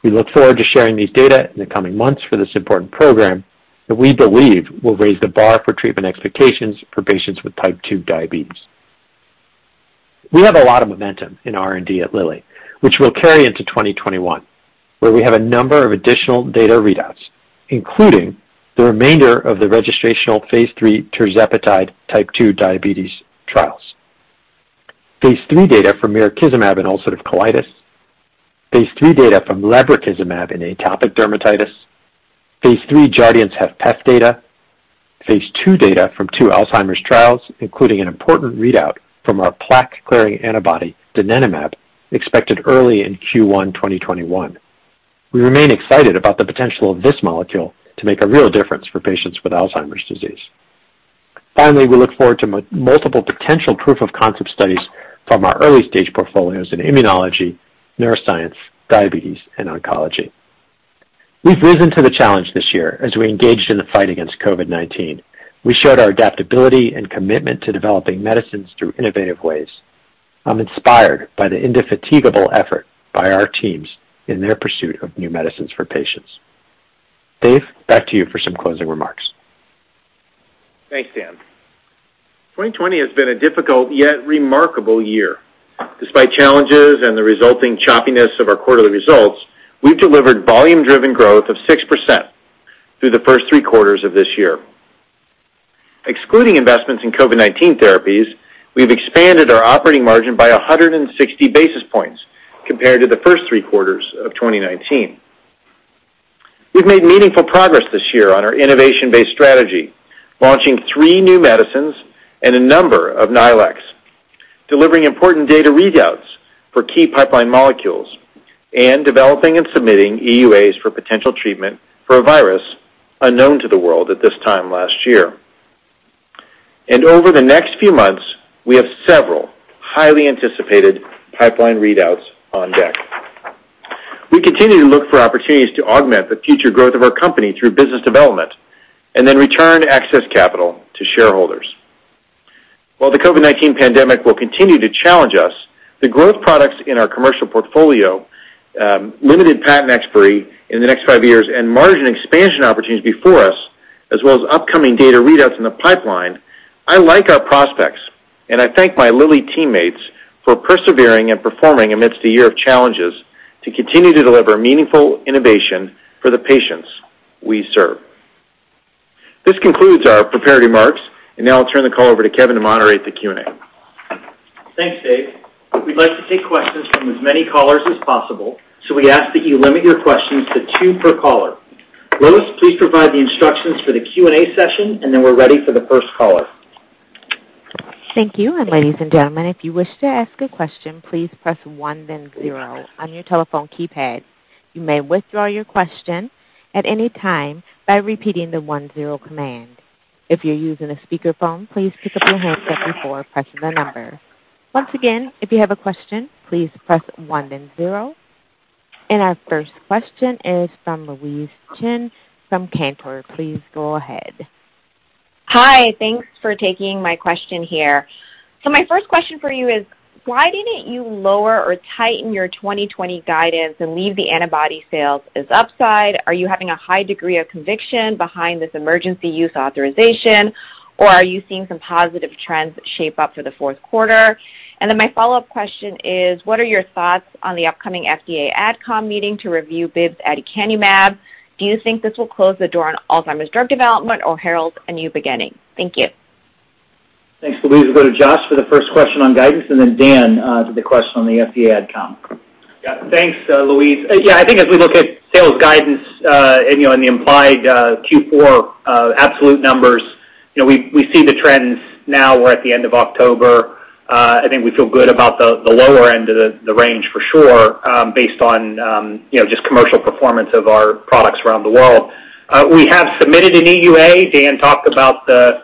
We look forward to sharing these data in the coming months for this important program that we believe will raise the bar for treatment expectations for patients with type 2 diabetes. We have a lot of momentum in R&D at Lilly, which will carry into 2021, where we have a number of additional data readouts, including the remainder of the registrational phase III tirzepatide type 2 diabetes trials. Phase III data for mirikizumab in ulcerative colitis, phase III data from lebrikizumab in atopic dermatitis, phase III JARDIANCE HFpEF data, phase II data from two Alzheimer's trials, including an important readout from our plaque-clearing antibody, donanemab, expected early in Q1 2021. We remain excited about the potential of this molecule to make a real difference for patients with Alzheimer's disease. We look forward to multiple potential proof-of-concept studies from our early-stage portfolios in immunology, neuroscience, diabetes, and oncology. We've risen to the challenge this year as we engaged in the fight against COVID-19. We showed our adaptability and commitment to developing medicines through innovative ways. I'm inspired by the indefatigable effort by our teams in their pursuit of new medicines for patients. Dave, back to you for some closing remarks. Thanks, Dan. 2020 has been a difficult yet remarkable year. Despite challenges and the resulting choppiness of our quarterly results, we've delivered volume-driven growth of 6% through the first three quarters of this year. Excluding investments in COVID-19 therapies, we've expanded our operating margin by 160 basis points compared to the first three quarters of 2019. We've made meaningful progress this year on our innovation-based strategy, launching three new medicines and a number of NILEXs, delivering important data readouts for key pipeline molecules, and developing and submitting EUAs for potential treatment for a virus unknown to the world at this time last year. Over the next few months, we have several highly anticipated pipeline readouts on deck. We continue to look for opportunities to augment the future growth of our company through business development and then return excess capital to shareholders. While the COVID-19 pandemic will continue to challenge us, the growth products in our commercial portfolio, limited patent expiry in the next five years, and margin expansion opportunities before us, as well as upcoming data readouts in the pipeline, I like our prospects and I thank my Lilly teammates for persevering and performing amidst a year of challenges to continue to deliver meaningful innovation for the patients we serve. This concludes our prepared remarks, and now I'll turn the call over to Kevin to moderate the Q&A. Thanks, Dave. We'd like to take questions from as many callers as possible, so we ask that you limit your questions to two per caller. Lois, please provide the instructions for the Q&A session, and then we're ready for the first caller. Our first question is from Louise Chen from Cantor Fitzgerald. Please go ahead. Hi. Thanks for taking my question here. My first question for you is why didn't you lower or tighten your 2020 guidance and leave the antibody sales as upside? Are you having a high degree of conviction behind this emergency use authorization, or are you seeing some positive trends shape up for the fourth quarter? My follow-up question is, what are your thoughts on the upcoming FDA AdCom meeting to review Biogen aducanumab? Do you think this will close the door on Alzheimer's drug development or herald a new beginning? Thank you. Thanks, Louise. We'll go to Josh for the first question on guidance, and then Dan to the question on the FDA AdCom. Yeah. Thanks, Louise. I think as we look at sales guidance, and the implied Q4 absolute numbers, we see the trends now we're at the end of October. I think we feel good about the lower end of the range for sure, based on just commercial performance of our products around the world. We have submitted an EUA. Dan talked about the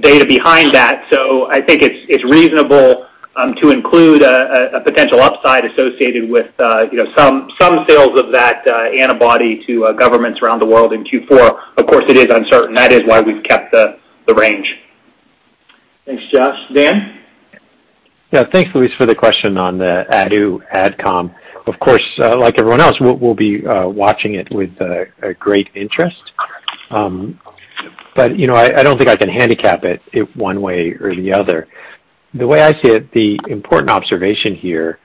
data behind that, I think it's reasonable to include a potential upside associated with some sales of that antibody to governments around the world in Q4. Of course, it is uncertain. That is why we've kept the range. Thanks, Josh. Dan? Yeah. Thanks, Louise, for the question on the Adu AdCom. Of course, like everyone else, we'll be watching it with great interest. I don't think I can handicap it one way or the other. The way I see it, the important observation here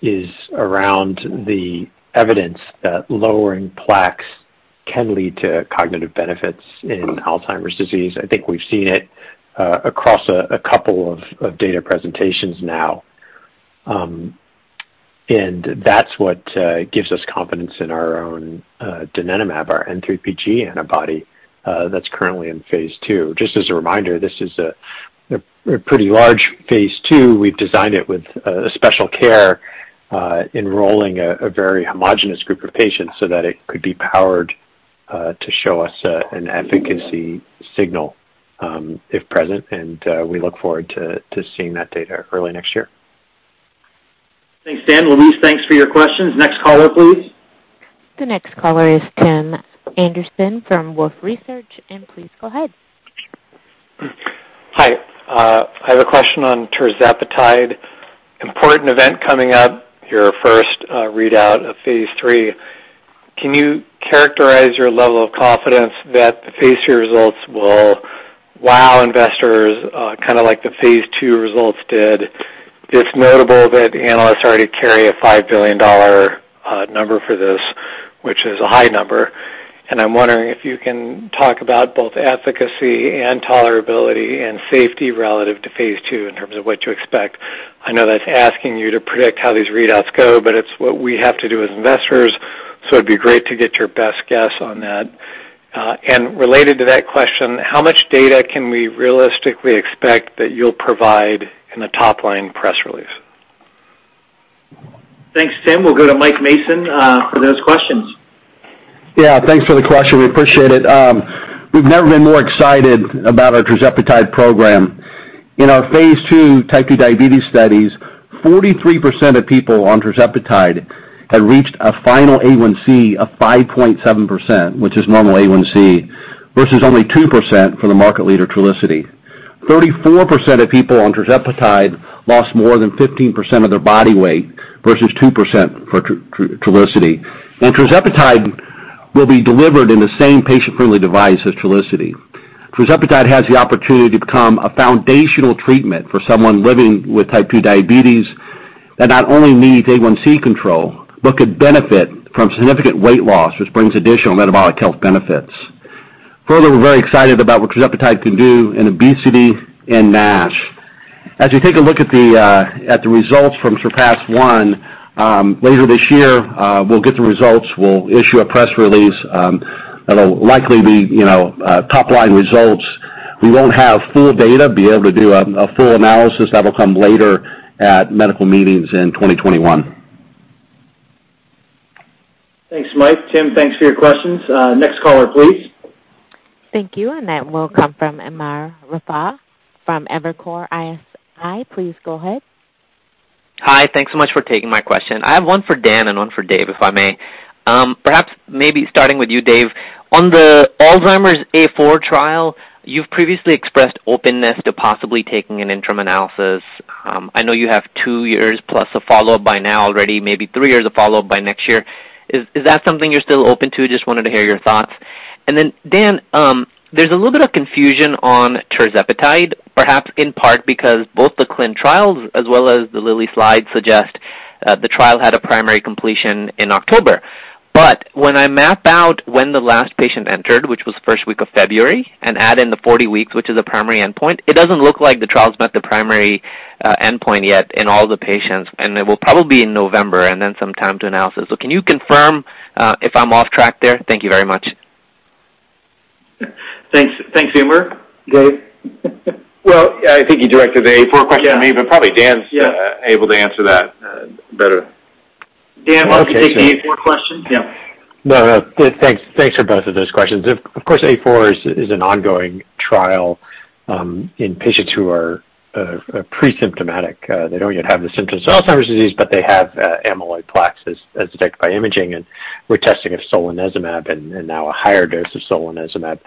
is around the evidence that lowering plaques can lead to cognitive benefits in Alzheimer's disease. I think we've seen it across a couple of data presentations now. That's what gives us confidence in our own donanemab, our N3pG antibody that's currently in phase II. Just as a reminder, this is a pretty large phase II. We've designed it with special care, enrolling a very homogenous group of patients so that it could be powered to show us an efficacy signal, if present, and we look forward to seeing that data early next year. Thanks, Dan. Louise, thanks for your questions. Next caller, please. The next caller is Tim Anderson from Wolfe Research. Please go ahead. Hi. I have a question on tirzepatide. Important event coming up, your first readout of phase III. Can you characterize your level of confidence that the phase III results will wow investors, kind of like the phase II results did? It's notable that analysts already carry a $5 billion number for this, which is a high number, and I'm wondering if you can talk about both efficacy and tolerability and safety relative to phase II in terms of what to expect. I know that's asking you to predict how these readouts go, but it's what we have to do as investors, so it'd be great to get your best guess on that. Related to that question, how much data can we realistically expect that you'll provide in a top-line press release? Thanks, Tim. We'll go to Mike Mason for those questions. Yeah, thanks for the question. We appreciate it. We've never been more excited about our tirzepatide program. In our phase II type 2 diabetes studies, 43% of people on tirzepatide had reached a final A1c of 5.7%, which is normal A1c, versus only 2% for the market leader, Trulicity. 34% of people on tirzepatide lost more than 15% of their body weight versus 2% for Trulicity. Tirzepatide will be delivered in the same patient-friendly device as Trulicity. Tirzepatide has the opportunity to become a foundational treatment for someone living with type 2 diabetes that not only needs A1c control but could benefit from significant weight loss, which brings additional metabolic health benefits. Further, we're very excited about what tirzepatide can do in obesity and NASH. As we take a look at the results from SURPASS-1, later this year, we'll get the results, we'll issue a press release that'll likely be top-line results. We won't have full data to be able to do a full analysis. That'll come later at medical meetings in 2021. Thanks, Mike. Tim, thanks for your questions. Next caller, please. Thank you, and that will come from Umer Raffat from Evercore ISI. Please go ahead. Hi. Thanks so much for taking my question. I have one for Dan and one for Dave, if I may. Perhaps maybe starting with you, Dave. On the Alzheimer's A4 trial, you've previously expressed openness to possibly taking an interim analysis. I know you have two years plus of follow-up by now already, maybe three years of follow-up by next year. Is that something you're still open to? Just wanted to hear your thoughts. Dan, there's a little bit of confusion on tirzepatide, perhaps in part because both the clinicaltrials as well as the Lilly slides suggest the trial had a primary completion in October. When I map out when the last patient entered, which was first week of February, and add in the 40 weeks, which is a primary endpoint, it doesn't look like the trial's met the primary endpoint yet in all the patients, and it will probably be in November and then some time to analysis. Can you confirm if I'm off track there? Thank you very much. Thanks. Umer. Dave? Well, I think he directed the A4 question to me. Yeah Probably Dan's able to answer that better. Dan, want to take the A4 question? Thanks for both of those questions. A4 is an ongoing trial in patients who are pre-symptomatic. They don't yet have the symptoms of Alzheimer's disease, but they have amyloid plaques as detected by imaging, and we're testing if solanezumab, and now a higher dose of solanezumab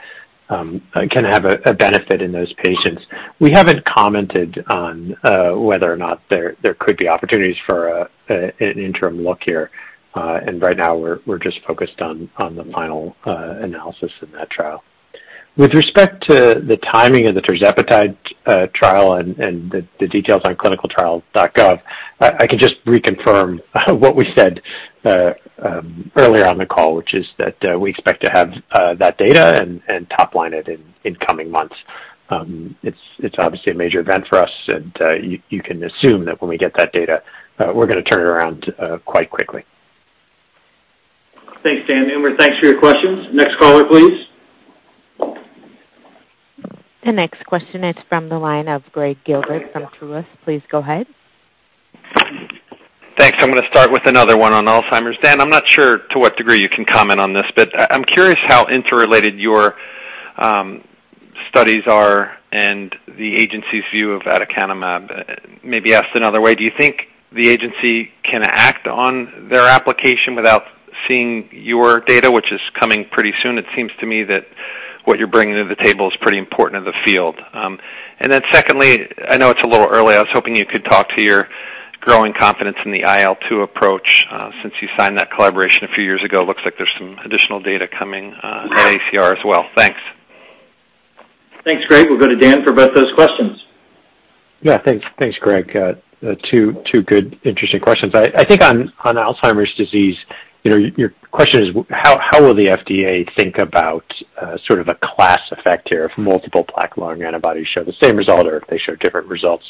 can have a benefit in those patients. We haven't commented on whether or not there could be opportunities for an interim look here. Right now, we're just focused on the final analysis in that trial. With respect to the timing of the tirzepatide trial and the details on clinicaltrials.gov, I can just reconfirm what we said earlier on the call, which is that we expect to have that data and top line it in coming months. It's obviously a major event for us, and you can assume that when we get that data, we're going to turn it around quite quickly. Thanks, Dan. Umar, thanks for your questions. Next caller, please. The next question is from the line of Gregg Gilbert from Truist. Please go ahead. Thanks. I'm going to start with another one on Alzheimer's. Dan, I'm not sure to what degree you can comment on this, but I'm curious how interrelated your studies are and the agency's view of aducanumab. Maybe asked another way, do you think the agency can act on their application without seeing your data, which is coming pretty soon? It seems to me that what you're bringing to the table is pretty important in the field. Secondly, I know it's a little early. I was hoping you could talk to your growing confidence in the IL-2 approach since you signed that collaboration a few years ago. Looks like there's some additional data coming at ACR as well. Thanks. Thanks, Gregg. We'll go to Dan for both those questions. Thanks, Gregg. Two good, interesting questions. I think on Alzheimer's disease, your question is how will the FDA think about sort of a class effect here if multiple plaque-lowering antibodies show the same result or if they show different results?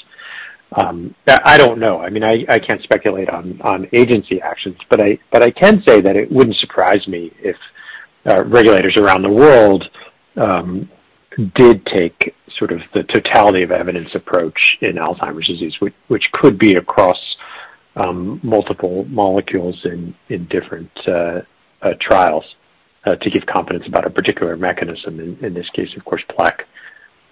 I don't know. I can't speculate on agency actions, but I can say that it wouldn't surprise me if regulators around the world did take sort of the totality of evidence approach in Alzheimer's disease, which could be across multiple molecules in different trials to give confidence about a particular mechanism in this case, of course, plaque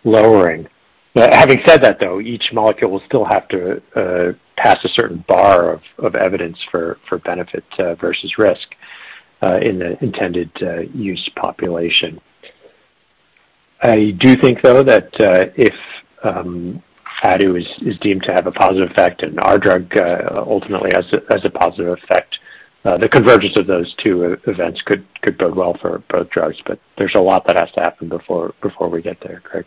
lowering. Having said that, though, each molecule will still have to pass a certain bar of evidence for benefit versus risk in the intended use population. I do think, though, that if Adu is deemed to have a positive effect and our drug ultimately has a positive effect, the convergence of those two events could bode well for both drugs, but there's a lot that has to happen before we get there, Gregg.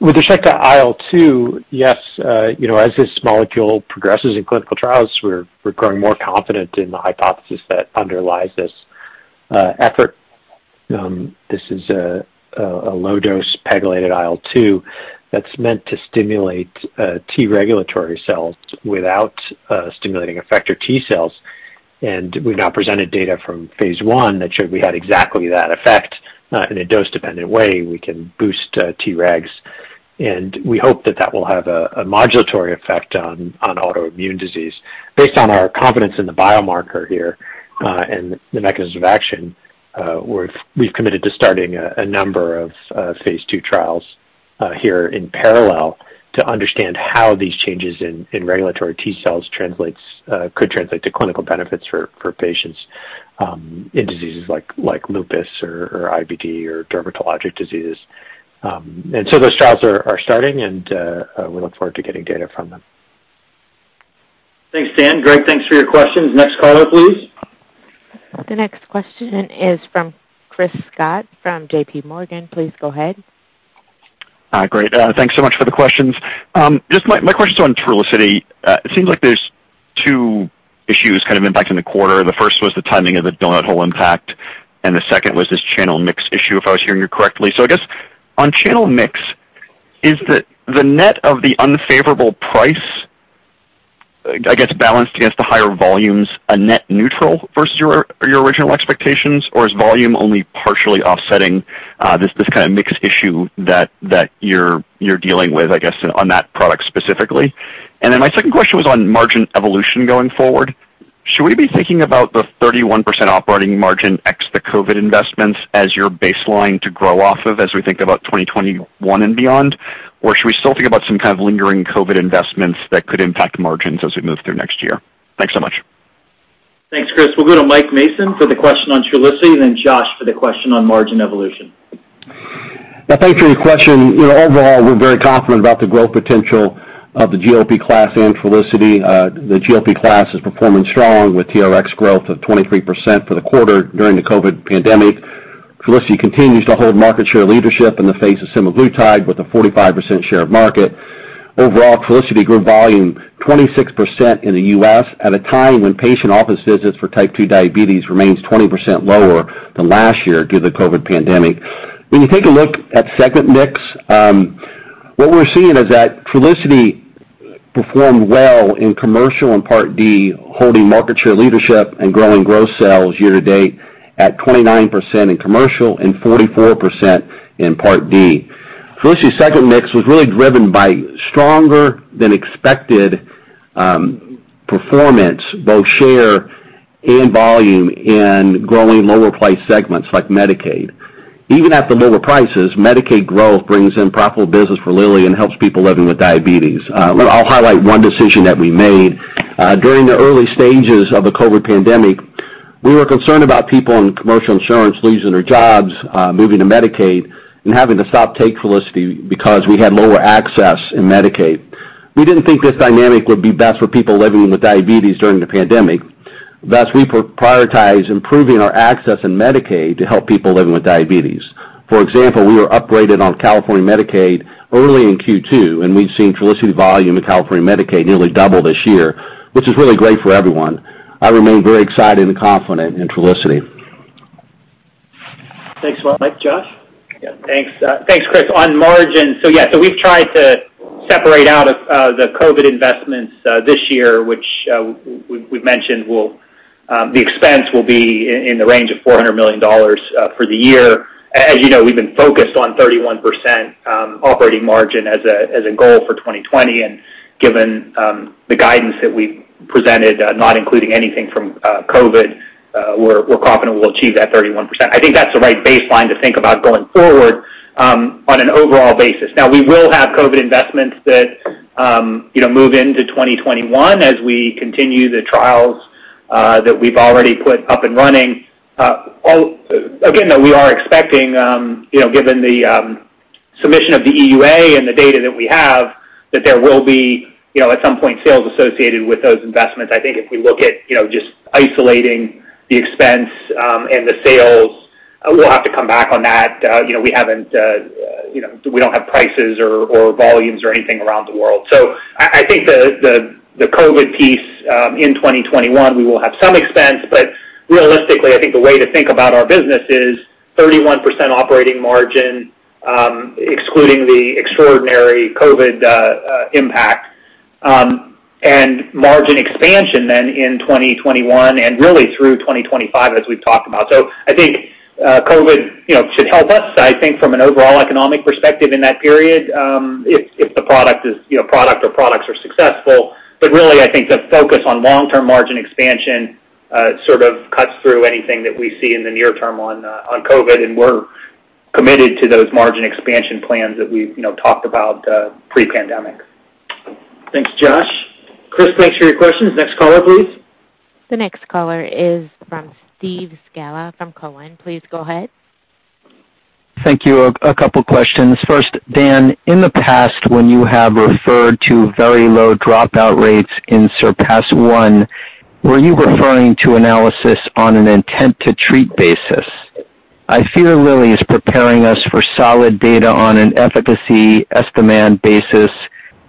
With respect to IL-2, yes, as this molecule progresses in clinical trials, we're growing more confident in the hypothesis that underlies this effort. This is a low-dose pegylated IL-2 that's meant to stimulate T regulatory cells without stimulating effector T cells. We've now presented data from phase I that showed we had exactly that effect. In a dose-dependent way, we can boost T regs, and we hope that that will have a modulatory effect on autoimmune disease. Based on our confidence in the biomarker here and the mechanism of action, we've committed to starting a number of phase II trials here in parallel to understand how these changes in regulatory T cells could translate to clinical benefits for patients in diseases like lupus or IBD or dermatologic disease. Those trials are starting, and we look forward to getting data from them. Thanks, Dan. Gregg, thanks for your questions. Next caller, please. The next question is from Chris Schott from JPMorgan. Please go ahead. Great. Thanks so much for the questions. My question is on Trulicity. It seems like there's two issues kind of impacting the quarter. The first was the timing of the doughnut hole impact. The second was this channel mix issue, if I was hearing you correctly. I guess on channel mix, is the net of the unfavorable price, I guess balanced against the higher volumes, a net neutral versus your original expectations, or is volume only partially offsetting this kind of mix issue that you're dealing with, I guess on that product specifically? My second question was on margin evolution going forward. Should we be thinking about the 31% operating margin ex the COVID investments as your baseline to grow off of as we think about 2021 and beyond? Should we still think about some kind of lingering COVID investments that could impact margins as we move through next year? Thanks so much. Thanks, Chris. We'll go to Mike Mason for the question on Trulicity, and then Josh for the question on margin evolution. Thanks for your question. Overall, we're very confident about the growth potential of the GLP class and Trulicity. The GLP class is performing strong with TRx growth of 23% for the quarter during the COVID pandemic. Trulicity continues to hold market share leadership in the face of semaglutide with a 45% share of market. Overall, Trulicity grew volume 26% in the U.S. at a time when patient office visits for type 2 diabetes remains 20% lower than last year due to the COVID pandemic. When you take a look at segment mix, what we're seeing is that Trulicity performed well in commercial and Part D, holding market share leadership and growing gross sales year to date at 29% in commercial and 44% in Part D. Trulicity's segment mix was really driven by stronger than expected performance, both share and volume, in growing lower price segments like Medicaid. Even at the lower prices, Medicaid growth brings in profitable business for Lilly and helps people living with diabetes. I'll highlight one decision that we made. During the early stages of the COVID pandemic, we were concerned about people on commercial insurance losing their jobs, moving to Medicaid, and having to stop take Trulicity because we had lower access in Medicaid. We didn't think this dynamic would be best for people living with diabetes during the pandemic, thus we prioritized improving our access in Medicaid to help people living with diabetes. For example, we were upgraded on California Medicaid early in Q2, and we've seen Trulicity volume in California Medicaid nearly double this year, which is really great for everyone. I remain very excited and confident in Trulicity. Thanks a lot, Mike. Josh? Thanks. Thanks, Chris. On margin, we've tried to separate out the COVID investments this year, which we've mentioned the expense will be in the range of $400 million for the year. As you know, we've been focused on 31% operating margin as a goal for 2020. Given the guidance that we presented, not including anything from COVID, we're confident we'll achieve that 31%. I think that's the right baseline to think about going forward on an overall basis. We will have COVID investments that move into 2021 as we continue the trials that we've already put up and running. We are expecting, given the submission of the EUA and the data that we have, that there will be at some point sales associated with those investments. I think if we look at just isolating the expense and the sales, we'll have to come back on that. We don't have prices or volumes or anything around the world. I think the COVID piece in 2021, we will have some expense, but realistically, I think the way to think about our business is 31% operating margin excluding the extraordinary COVID impact and margin expansion then in 2021 and really through 2025 as we've talked about. I think COVID should help us, I think, from an overall economic perspective in that period if the product or products are successful. Really, I think the focus on long-term margin expansion sort of cuts through anything that we see in the near term on COVID, and we're committed to those margin expansion plans that we've talked about pre-pandemic. Thanks, Josh. Chris, thanks for your questions. Next caller, please. The next caller is from Steve Scala from TD Cowen. Please go ahead. Thank you. A couple questions. First, Dan, in the past, when you have referred to very low dropout rates in SURPASS-1, were you referring to analysis on an intent to treat basis? I fear Lilly is preparing us for solid data on an efficacy estimate basis,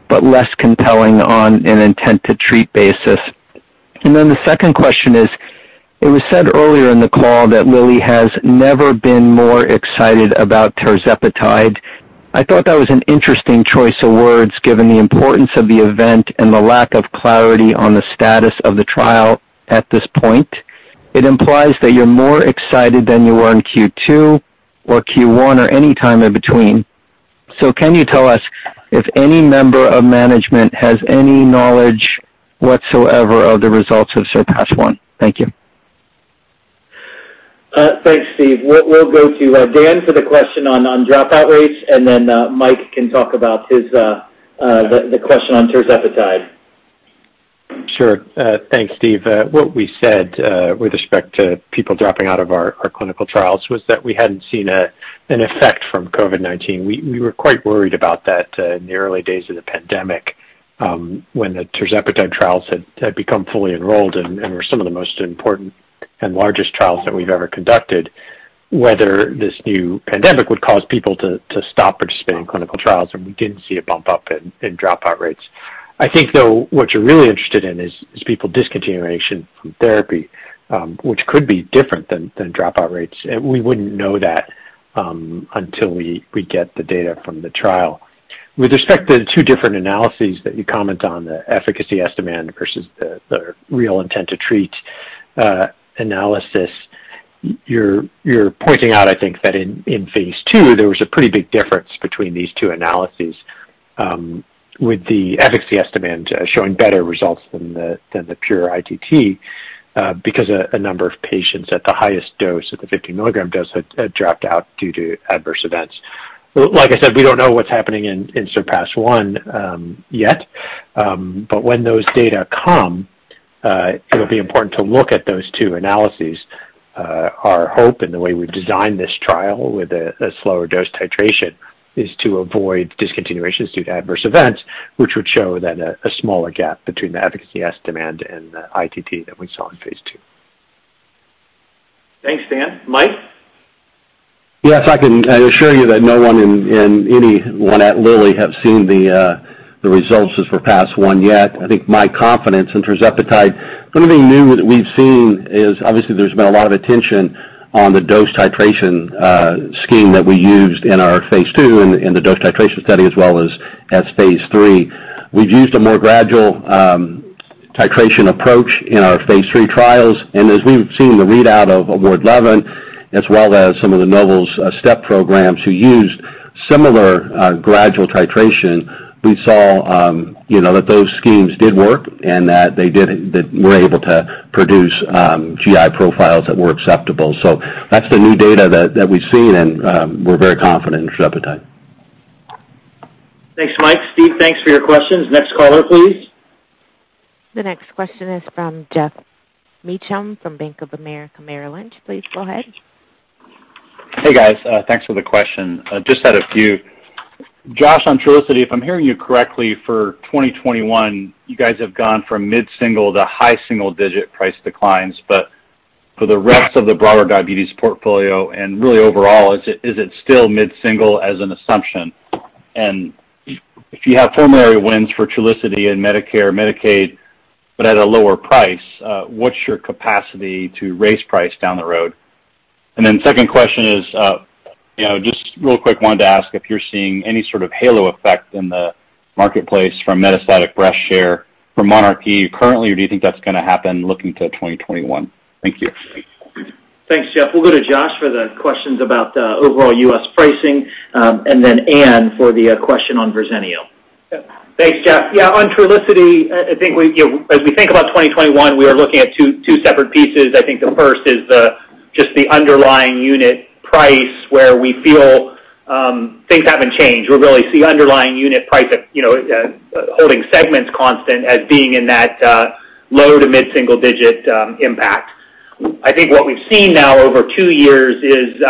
but less compelling on an intent to treat basis. The second question is, it was said earlier in the call that Lilly has never been more excited about tirzepatide. I thought that was an interesting choice of words given the importance of the event and the lack of clarity on the status of the trial at this point. It implies that you're more excited than you were in Q2 or Q1 or any time in between. Can you tell us if any member of management has any knowledge whatsoever of the results of SURPASS-1? Thank you. Thanks, Steve. We'll go to Dan for the question on dropout rates, and then Mike can talk about the question on tirzepatide. Sure. Thanks, Steve. What we said with respect to people dropping out of our clinical trials was that we hadn't seen an effect from COVID-19. We were quite worried about that in the early days of the pandemic when the tirzepatide trials had become fully enrolled and were some of the most important and largest trials that we've ever conducted, whether this new pandemic would cause people to stop participating in clinical trials. We didn't see a bump up in dropout rates. I think, though, what you're really interested in is people discontinuation from therapy, which could be different than dropout rates. We wouldn't know that until we get the data from the trial. With respect to the two different analyses that you comment on, the efficacy estimate versus the real intent to treat analysis. You're pointing out, I think that in phase II, there was a pretty big difference between these two analyses, with the efficacy estimate showing better results than the pure ITT, because a number of patients at the highest dose, at the 50 milligram dose, had dropped out due to adverse events. Like I said, we don't know what's happening in SURPASS-1 yet. When those data come, it'll be important to look at those two analyses. Our hope and the way we've designed this trial with a slower dose titration is to avoid discontinuations due to adverse events, which would show then a smaller gap between the efficacy estimate and the ITT that we saw in phase II. Thanks, Dan. Mike? Yes, I can assure you that no one and anyone at Lilly have seen the results of SURPASS-1 yet. I think my confidence in tirzepatide, one of the new that we've seen is obviously there's been a lot of attention on the dose titration scheme that we used in our phase II in the dose titration study, as well as phase III. We've used a more gradual titration approach in our phase III trials, and as we've seen in the readout of 11, as well as some of the Novo's STEP programs who used similar gradual titration, we saw that those schemes did work and that they were able to produce GI profiles that were acceptable. That's the new data that we've seen, and we're very confident in tirzepatide. Thanks, Mike. Steve, thanks for your questions. Next caller, please. The next question is from Geoff Meacham from Bank of America Merrill Lynch. Please go ahead. Hey, guys. Thanks for the question. I just had a few. Josh, on Trulicity, if I'm hearing you correctly, for 2021, you guys have gone from mid-single to high single-digit price declines. For the rest of the broader diabetes portfolio and really overall, is it still mid-single as an assumption? If you have formulary wins for Trulicity and Medicare, Medicaid, but at a lower price, what's your capacity to raise price down the road? Second question is, just real quick, wanted to ask if you're seeing any sort of halo effect in the marketplace from metastatic breast share from monarchE currently, or do you think that's going to happen looking to 2021? Thank you. Thanks, Geoff. We'll go to Josh for the questions about overall U.S. pricing, and then Anne for the question on Verzenio. Thanks, Geoff. On Trulicity, I think as we think about 2021, we are looking at two separate pieces. I think the first is just the underlying unit price where we feel things haven't changed. We really see underlying unit price holding segments constant as being in that low- to mid-single digit impact. I think what we've seen now over two years is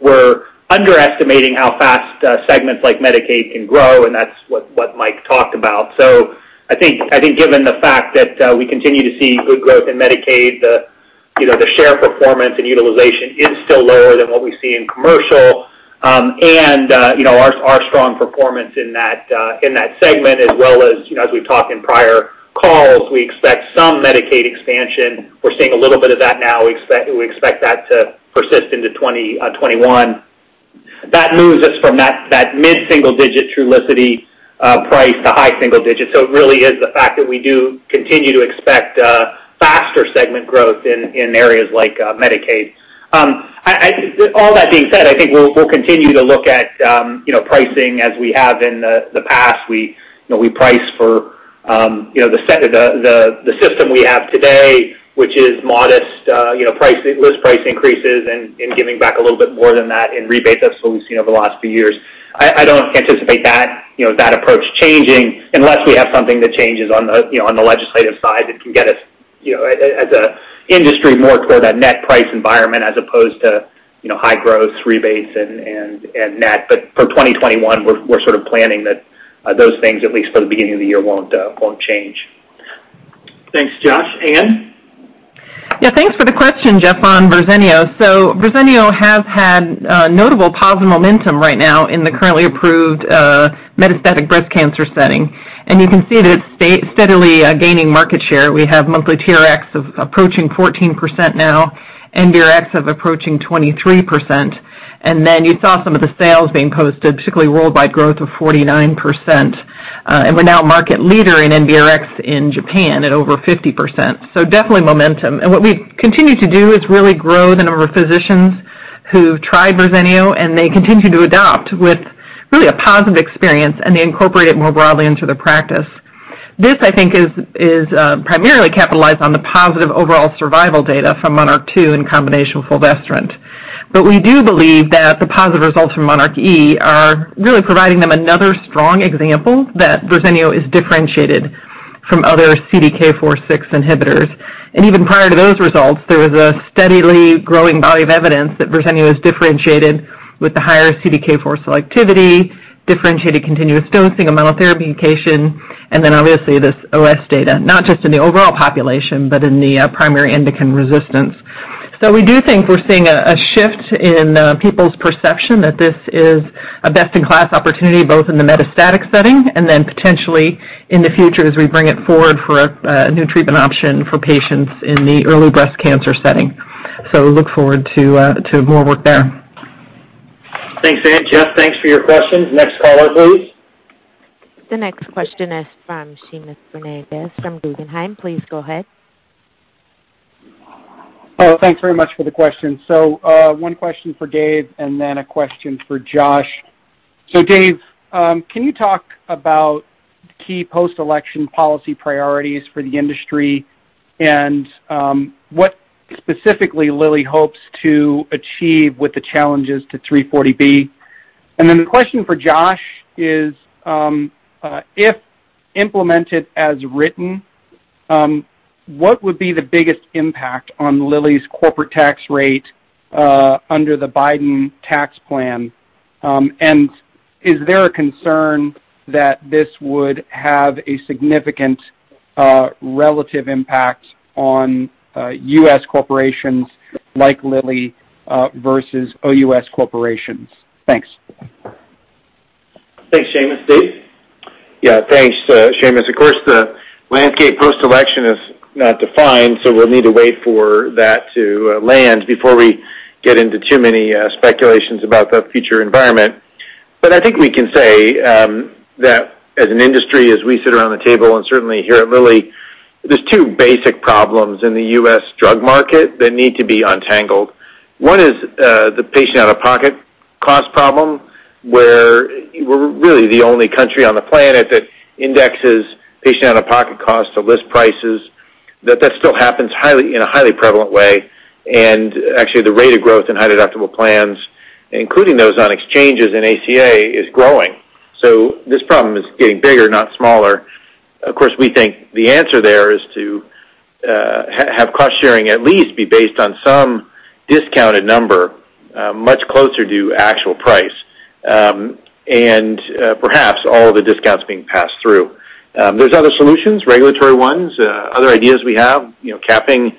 we're underestimating how fast segments like Medicaid can grow, and that's what Mike Mason talked about. I think given the fact that we continue to see good growth in Medicaid, the share performance and utilization is still lower than what we see in commercial. Our strong performance in that segment as well as we've talked in prior calls, we expect some Medicaid expansion. We're seeing a little bit of that now. We expect that to persist into 2021. That moves us from that mid-single-digit Trulicity price to high-single-digit. It really is the fact that we do continue to expect faster segment growth in areas like Medicaid. All that being said, I think we'll continue to look at pricing as we have in the past. We price for the system we have today, which is modest list price increases and giving back a little bit more than that in rebates. That's what we've seen over the last few years. I don't anticipate that approach changing unless we have something that changes on the legislative side that can get us as an industry more toward a net price environment as opposed to high-growth rebates and net. For 2021, we're sort of planning that those things, at least for the beginning of the year, won't change. Thanks, Josh. Anne? Yeah, thanks for the question, Geoff, on Verzenio. Verzenio has had notable positive momentum right now in the currently approved metastatic breast cancer setting. You can see that it's steadily gaining market share. We have monthly TRx of approaching 14% now, NBRx of approaching 23%, you saw some of the sales being posted, particularly worldwide growth of 49%. We're now market leader in NBRx in Japan at over 50%. Definitely momentum. What we've continued to do is really grow the number of physicians who've tried Verzenio, and they continue to adopt with really a positive experience, and they incorporate it more broadly into their practice. This, I think, is primarily capitalized on the positive overall survival data from MONARCH 2 in combination with fulvestrant. We do believe that the positive results from monarchE are really providing them another strong example that Verzenio is differentiated from other CDK4/6 inhibitors. Even prior to those results, there was a steadily growing body of evidence that Verzenio is differentiated with the higher CDK4 selectivity, differentiated continuous dosing amount of therapy indication, and then obviously this OS data, not just in the overall population, but in the primary endocrine resistance. We do think we're seeing a shift in people's perception that this is a best-in-class opportunity, both in the metastatic setting and then potentially in the future as we bring it forward for a new treatment option for patients in the early breast cancer setting. We look forward to more work there. Thanks, Anne. Geoff, thanks for your questions. Next caller, please. The next question is from Seamus Fernandez from Guggenheim. Please go ahead. Thanks very much for the question. One question for Dave and then a question for Josh. Dave, can you talk about key post-election policy priorities for the industry and what specifically Lilly hopes to achieve with the challenges to 340B? Then the question for Josh is, if implemented as written, what would be the biggest impact on Lilly's corporate tax rate under the Biden tax plan? Is there a concern that this would have a significant relative impact on U.S. corporations like Lilly versus OUS corporations? Thanks. Thanks, Seamus. Dave? Yeah. Thanks, Seamus. Of course, the landscape post-election is not defined, so we'll need to wait for that to land before we get into too many speculations about the future environment. I think we can say that as an industry, as we sit around the table and certainly here at Lilly, there's two basic problems in the U.S. drug market that need to be untangled. One is the patient out-of-pocket cost problem, where we're really the only country on the planet that indexes patient out-of-pocket cost to list prices. That still happens in a highly prevalent way, and actually, the rate of growth in high deductible plans, including those on exchanges in ACA, is growing. This problem is getting bigger, not smaller. Of course, we think the answer there is to have cost-sharing at least be based on some discounted number, much closer to actual price, and perhaps all the discounts being passed through. There's other solutions, regulatory ones, other ideas we have, capping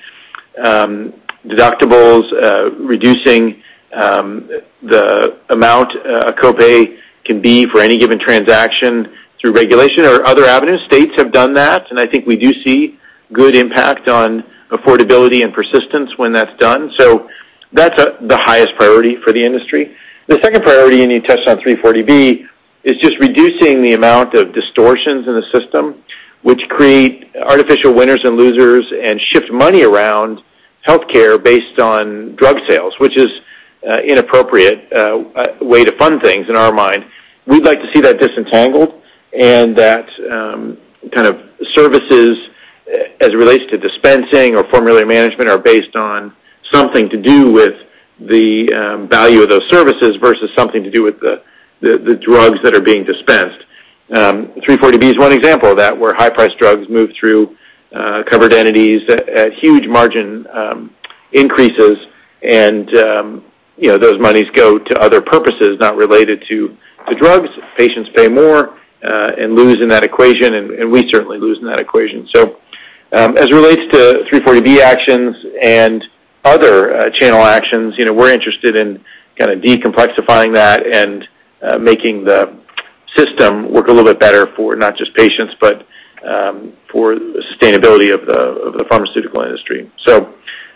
deductibles, reducing the amount a copay can be for any given transaction through regulation or other avenues. States have done that. I think we do see good impact on affordability and persistence when that's done. That's the highest priority for the industry. The second priority, you touched on 340B, is just reducing the amount of distortions in the system, which create artificial winners and losers and shift money around healthcare based on drug sales, which is inappropriate way to fund things in our mind. We'd like to see that disentangled and that kind of services as it relates to dispensing or formulary management are based on something to do with the value of those services versus something to do with the drugs that are being dispensed. 340B is one example of that, where high-priced drugs move through covered entities at huge margin increases and those monies go to other purposes not related to drugs. We certainly lose in that equation. As it relates to 340B actions and other channel actions, we're interested in de-complexifying that and making the system work a little bit better for not just patients, but for the sustainability of the pharmaceutical industry.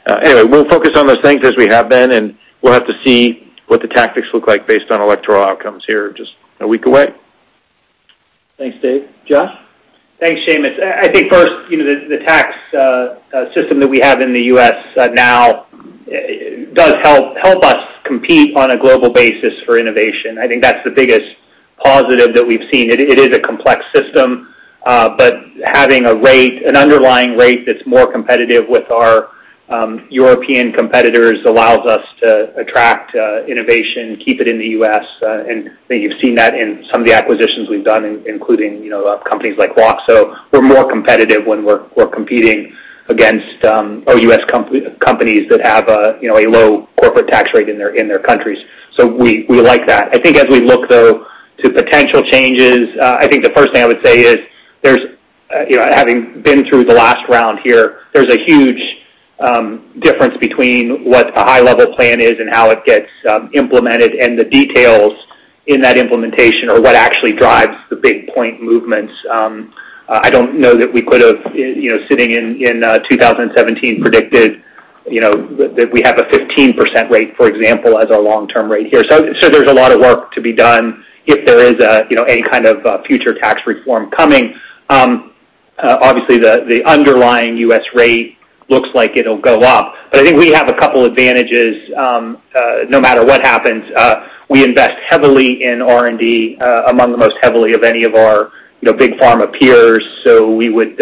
Anyway, we'll focus on those things as we have been, and we'll have to see what the tactics look like based on electoral outcomes here just a week away. Thanks, Dave. Josh? Thanks, Seamus. I think first, the tax system that we have in the U.S. now does help us compete on a global basis for innovation. I think that's the biggest positive that we've seen. It is a complex system, but having an underlying rate that's more competitive with our European competitors allows us to attract innovation, keep it in the U.S., and I think you've seen that in some of the acquisitions we've done, including companies like Loxo. We're more competitive when we're competing against OUS companies that have a low corporate tax rate in their countries. We like that. I think as we look, though, to potential changes, I think the first thing I would say is, having been through the last round here, there's a huge difference between what a high-level plan is and how it gets implemented and the details in that implementation or what actually drives the big point movements. I don't know that we could have, sitting in 2017, predicted that we have a 15% rate, for example, as our long-term rate here. There's a lot of work to be done if there is any kind of future tax reform coming. Obviously, the underlying U.S. rate looks like it'll go up. I think we have a couple advantages no matter what happens. We invest heavily in R&D, among the most heavily of any of our big pharma peers. We would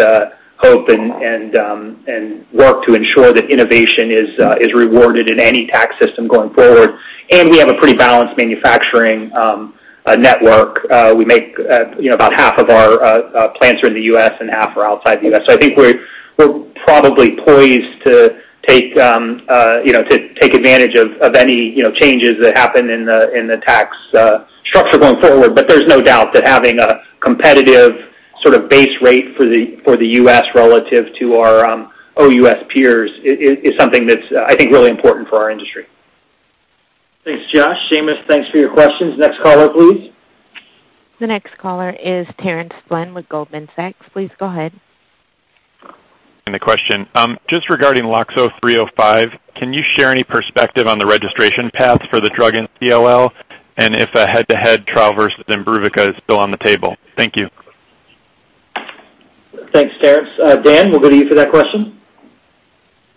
hope and work to ensure that innovation is rewarded in any tax system going forward. We have a pretty balanced manufacturing network. About half of our plants are in the U.S. and half are outside the U.S. I think we're probably poised to take advantage of any changes that happen in the tax structure going forward. There's no doubt that having a competitive sort of base rate for the U.S. relative to our OUS peers is something that's, I think, really important for our industry. Thanks, Josh. Seamus, thanks for your questions. Next caller, please. The next caller is Terence Flynn with Goldman Sachs. Please go ahead. Just regarding LOXO-305, can you share any perspective on the registration paths for the drug in CLL and if a head-to-head trial versus IMBRUVICA is still on the table? Thank you. Thanks, Terence. Dan, we'll go to you for that question.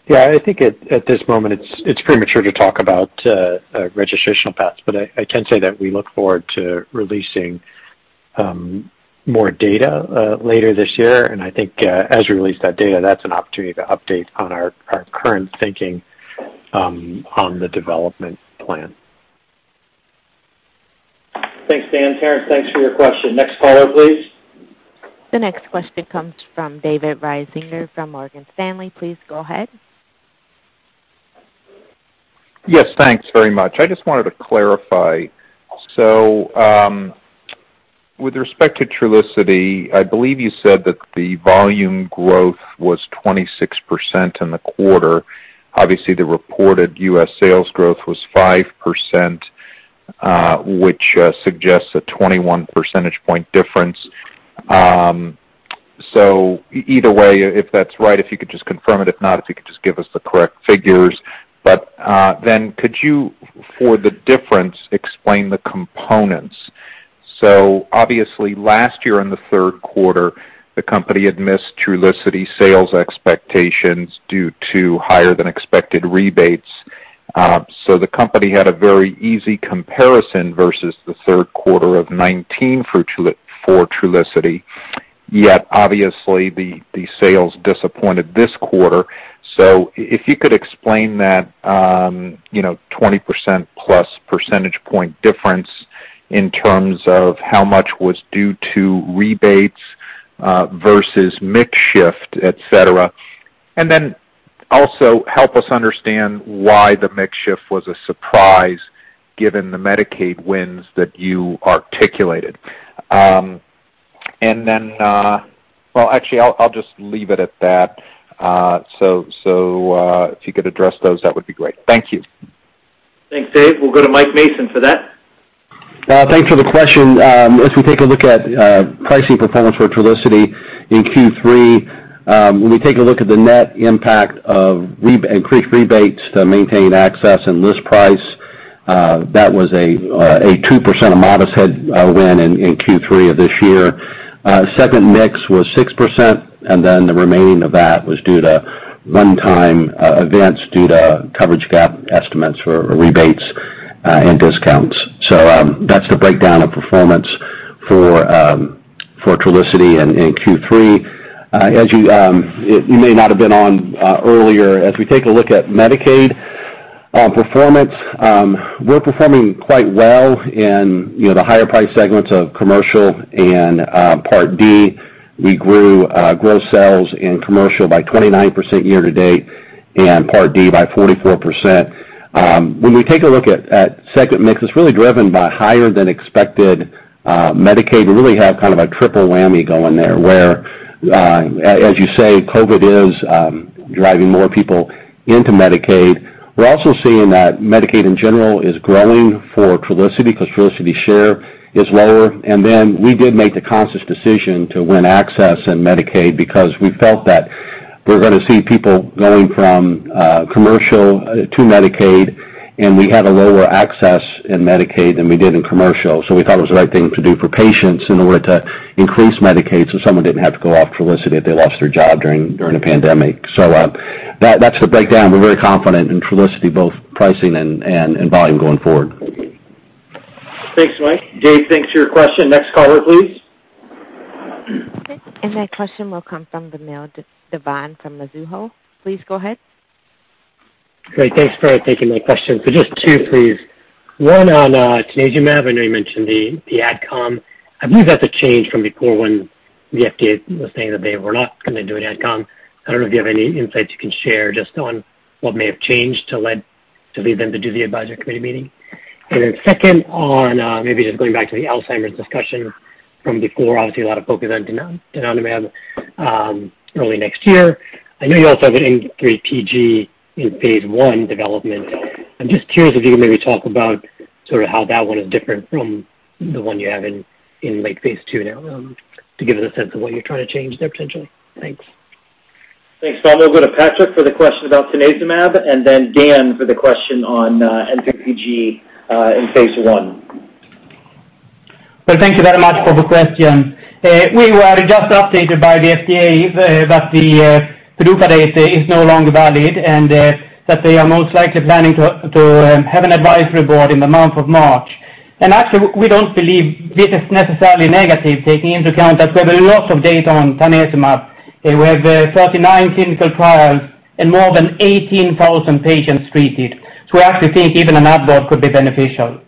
Yeah, I think at this moment it's premature to talk about registrational paths, but I can say that we look forward to releasing more data later this year. I think as we release that data, that's an opportunity to update on our current thinking on the development plan. Thanks, Dan. Terence, thanks for your question. Next caller, please. The next question comes from David Risinger from Morgan Stanley. Please go ahead. Yes, thanks very much. I just wanted to clarify. With respect to Trulicity, I believe you said that the volume growth was 26% in the quarter. Obviously, the reported U.S. sales growth was 5%, which suggests a 21 percentage point difference. Either way, if that's right, if you could just confirm it. If not, if you could just give us the correct figures. Could you, for the difference, explain the components? Obviously last year in the third quarter, the company had missed Trulicity sales expectations due to higher than expected rebates. The company had a very easy comparison versus the third quarter of 2019 for Trulicity, yet obviously the sales disappointed this quarter. If you could explain that 20% plus percentage point difference in terms of how much was due to rebates versus mix shift, et cetera. Also help us understand why the mix shift was a surprise given the Medicaid wins that you articulated. Well, actually, I'll just leave it at that. If you could address those, that would be great. Thank you. Thanks, Dave. We'll go to Mike Mason for that. Thanks for the question. As we take a look at pricing performance for Trulicity in Q3, when we take a look at the net impact of increased rebates to maintain access and list price, that was a 2% amount win in Q3 of this year. Second mix was 6%, the remaining of that was due to one-time events due to coverage gap estimates for rebates and discounts. That's the breakdown of performance for Trulicity in Q3. You may not have been on earlier, as we take a look at Medicaid performance, we're performing quite well in the higher price segments of commercial and Part D. We grew gross sales in commercial by 29% year to date and Part D by 44%. When we take a look at segment mix, it's really driven by higher than expected Medicaid. We really have kind of a triple whammy going there where as you say, COVID is driving more people into Medicaid. We're also seeing that Medicaid in general is growing for Trulicity because Trulicity share is lower. We did make the conscious decision to win access in Medicaid because we felt that we're going to see people going from commercial to Medicaid, and we had a lower access in Medicaid than we did in commercial. We thought it was the right thing to do for patients in order to increase Medicaid so someone didn't have to go off Trulicity if they lost their job during the pandemic. That's the breakdown. We're very confident in Trulicity both pricing and volume going forward. Thanks, Mike. Dave, thanks for your question. Next caller, please. Okay. That question will come from Vamil. Vamil Divan from Mizuho. Please go ahead. Great. Thanks for taking my question. Just two please. One on donanemab. I know you mentioned the AdCom. I believe that's a change from before when the FDA was saying that they were not going to do an AdCom. I don't know if you have any insights you can share just on what may have changed to lead them to do the advisory committee meeting. Second on maybe just going back to the Alzheimer's discussion from before, obviously a lot of focus on donanemab early next year. I know you also have an N3PG in phase I development. I'm just curious if you can maybe talk about sort of how that one is different from the one you have in late phase II now to give us a sense of what you're trying to change there potentially. Thanks. Thanks, Vamil. We'll go to Patrik for the question about donanemab, and then Dan for the question on N3pG in phase I. Well, thank you very much for the question. We were just updated by the FDA that the data is no longer valid and that they are most likely planning to have an advisory board in the month of March. Actually, we don't believe this is necessarily negative taking into account that we have a lot of data on donanemab, and we have 39 clinical trials and more than 18,000 patients treated. We actually think even an AdCom could be beneficial.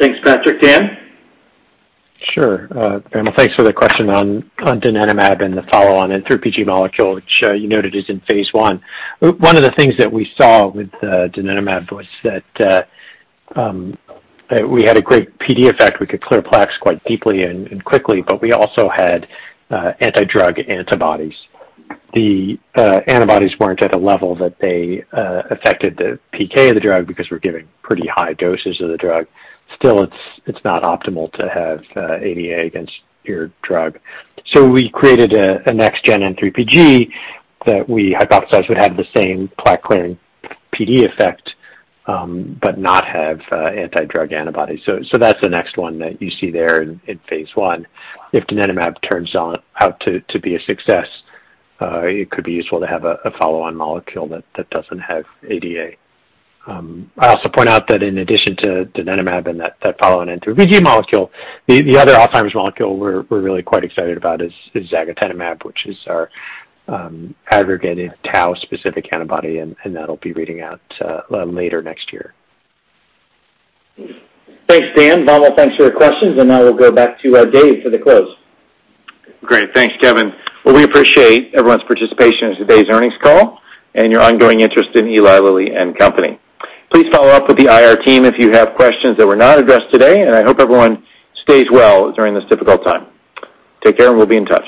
Thanks, Patrik. Dan? Sure. Vamil, thanks for the question on donanemab and the follow on N3pG molecule, which you noted is in phase I. One of the things that we saw with donanemab was that we had a great PD effect. We could clear plaques quite deeply and quickly, but we also had anti-drug antibodies. The antibodies weren't at a level that they affected the PK of the drug because we're giving pretty high doses of the drug. Still, it's not optimal to have ADA against your drug. We created a next gen N3pG that we hypothesized would have the same plaque-clearing PD effect but not have anti-drug antibodies. That's the next one that you see there in phase I. If donanemab turns out to be a success, it could be useful to have a follow-on molecule that doesn't have ADA. I also point out that in addition to donanemab and that follow on N3pG molecule, the other Alzheimer's molecule we're really quite excited about is zagotenemab, which is our aggregated tau specific antibody, and that'll be reading out later next year. Thanks, Dan. Vamil, thanks for your questions. Now we'll go back to Dave for the close. Great. Thanks, Kevin. Well, we appreciate everyone's participation in today's earnings call and your ongoing interest in Eli Lilly and Company. Please follow up with the IR team if you have questions that were not addressed today. I hope everyone stays well during this difficult time. Take care and we'll be in touch.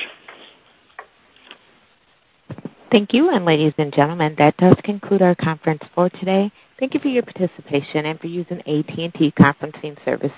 Thank you. Ladies and gentlemen, that does conclude our conference for today. Thank you for your participation and for using AT&T Conferencing Services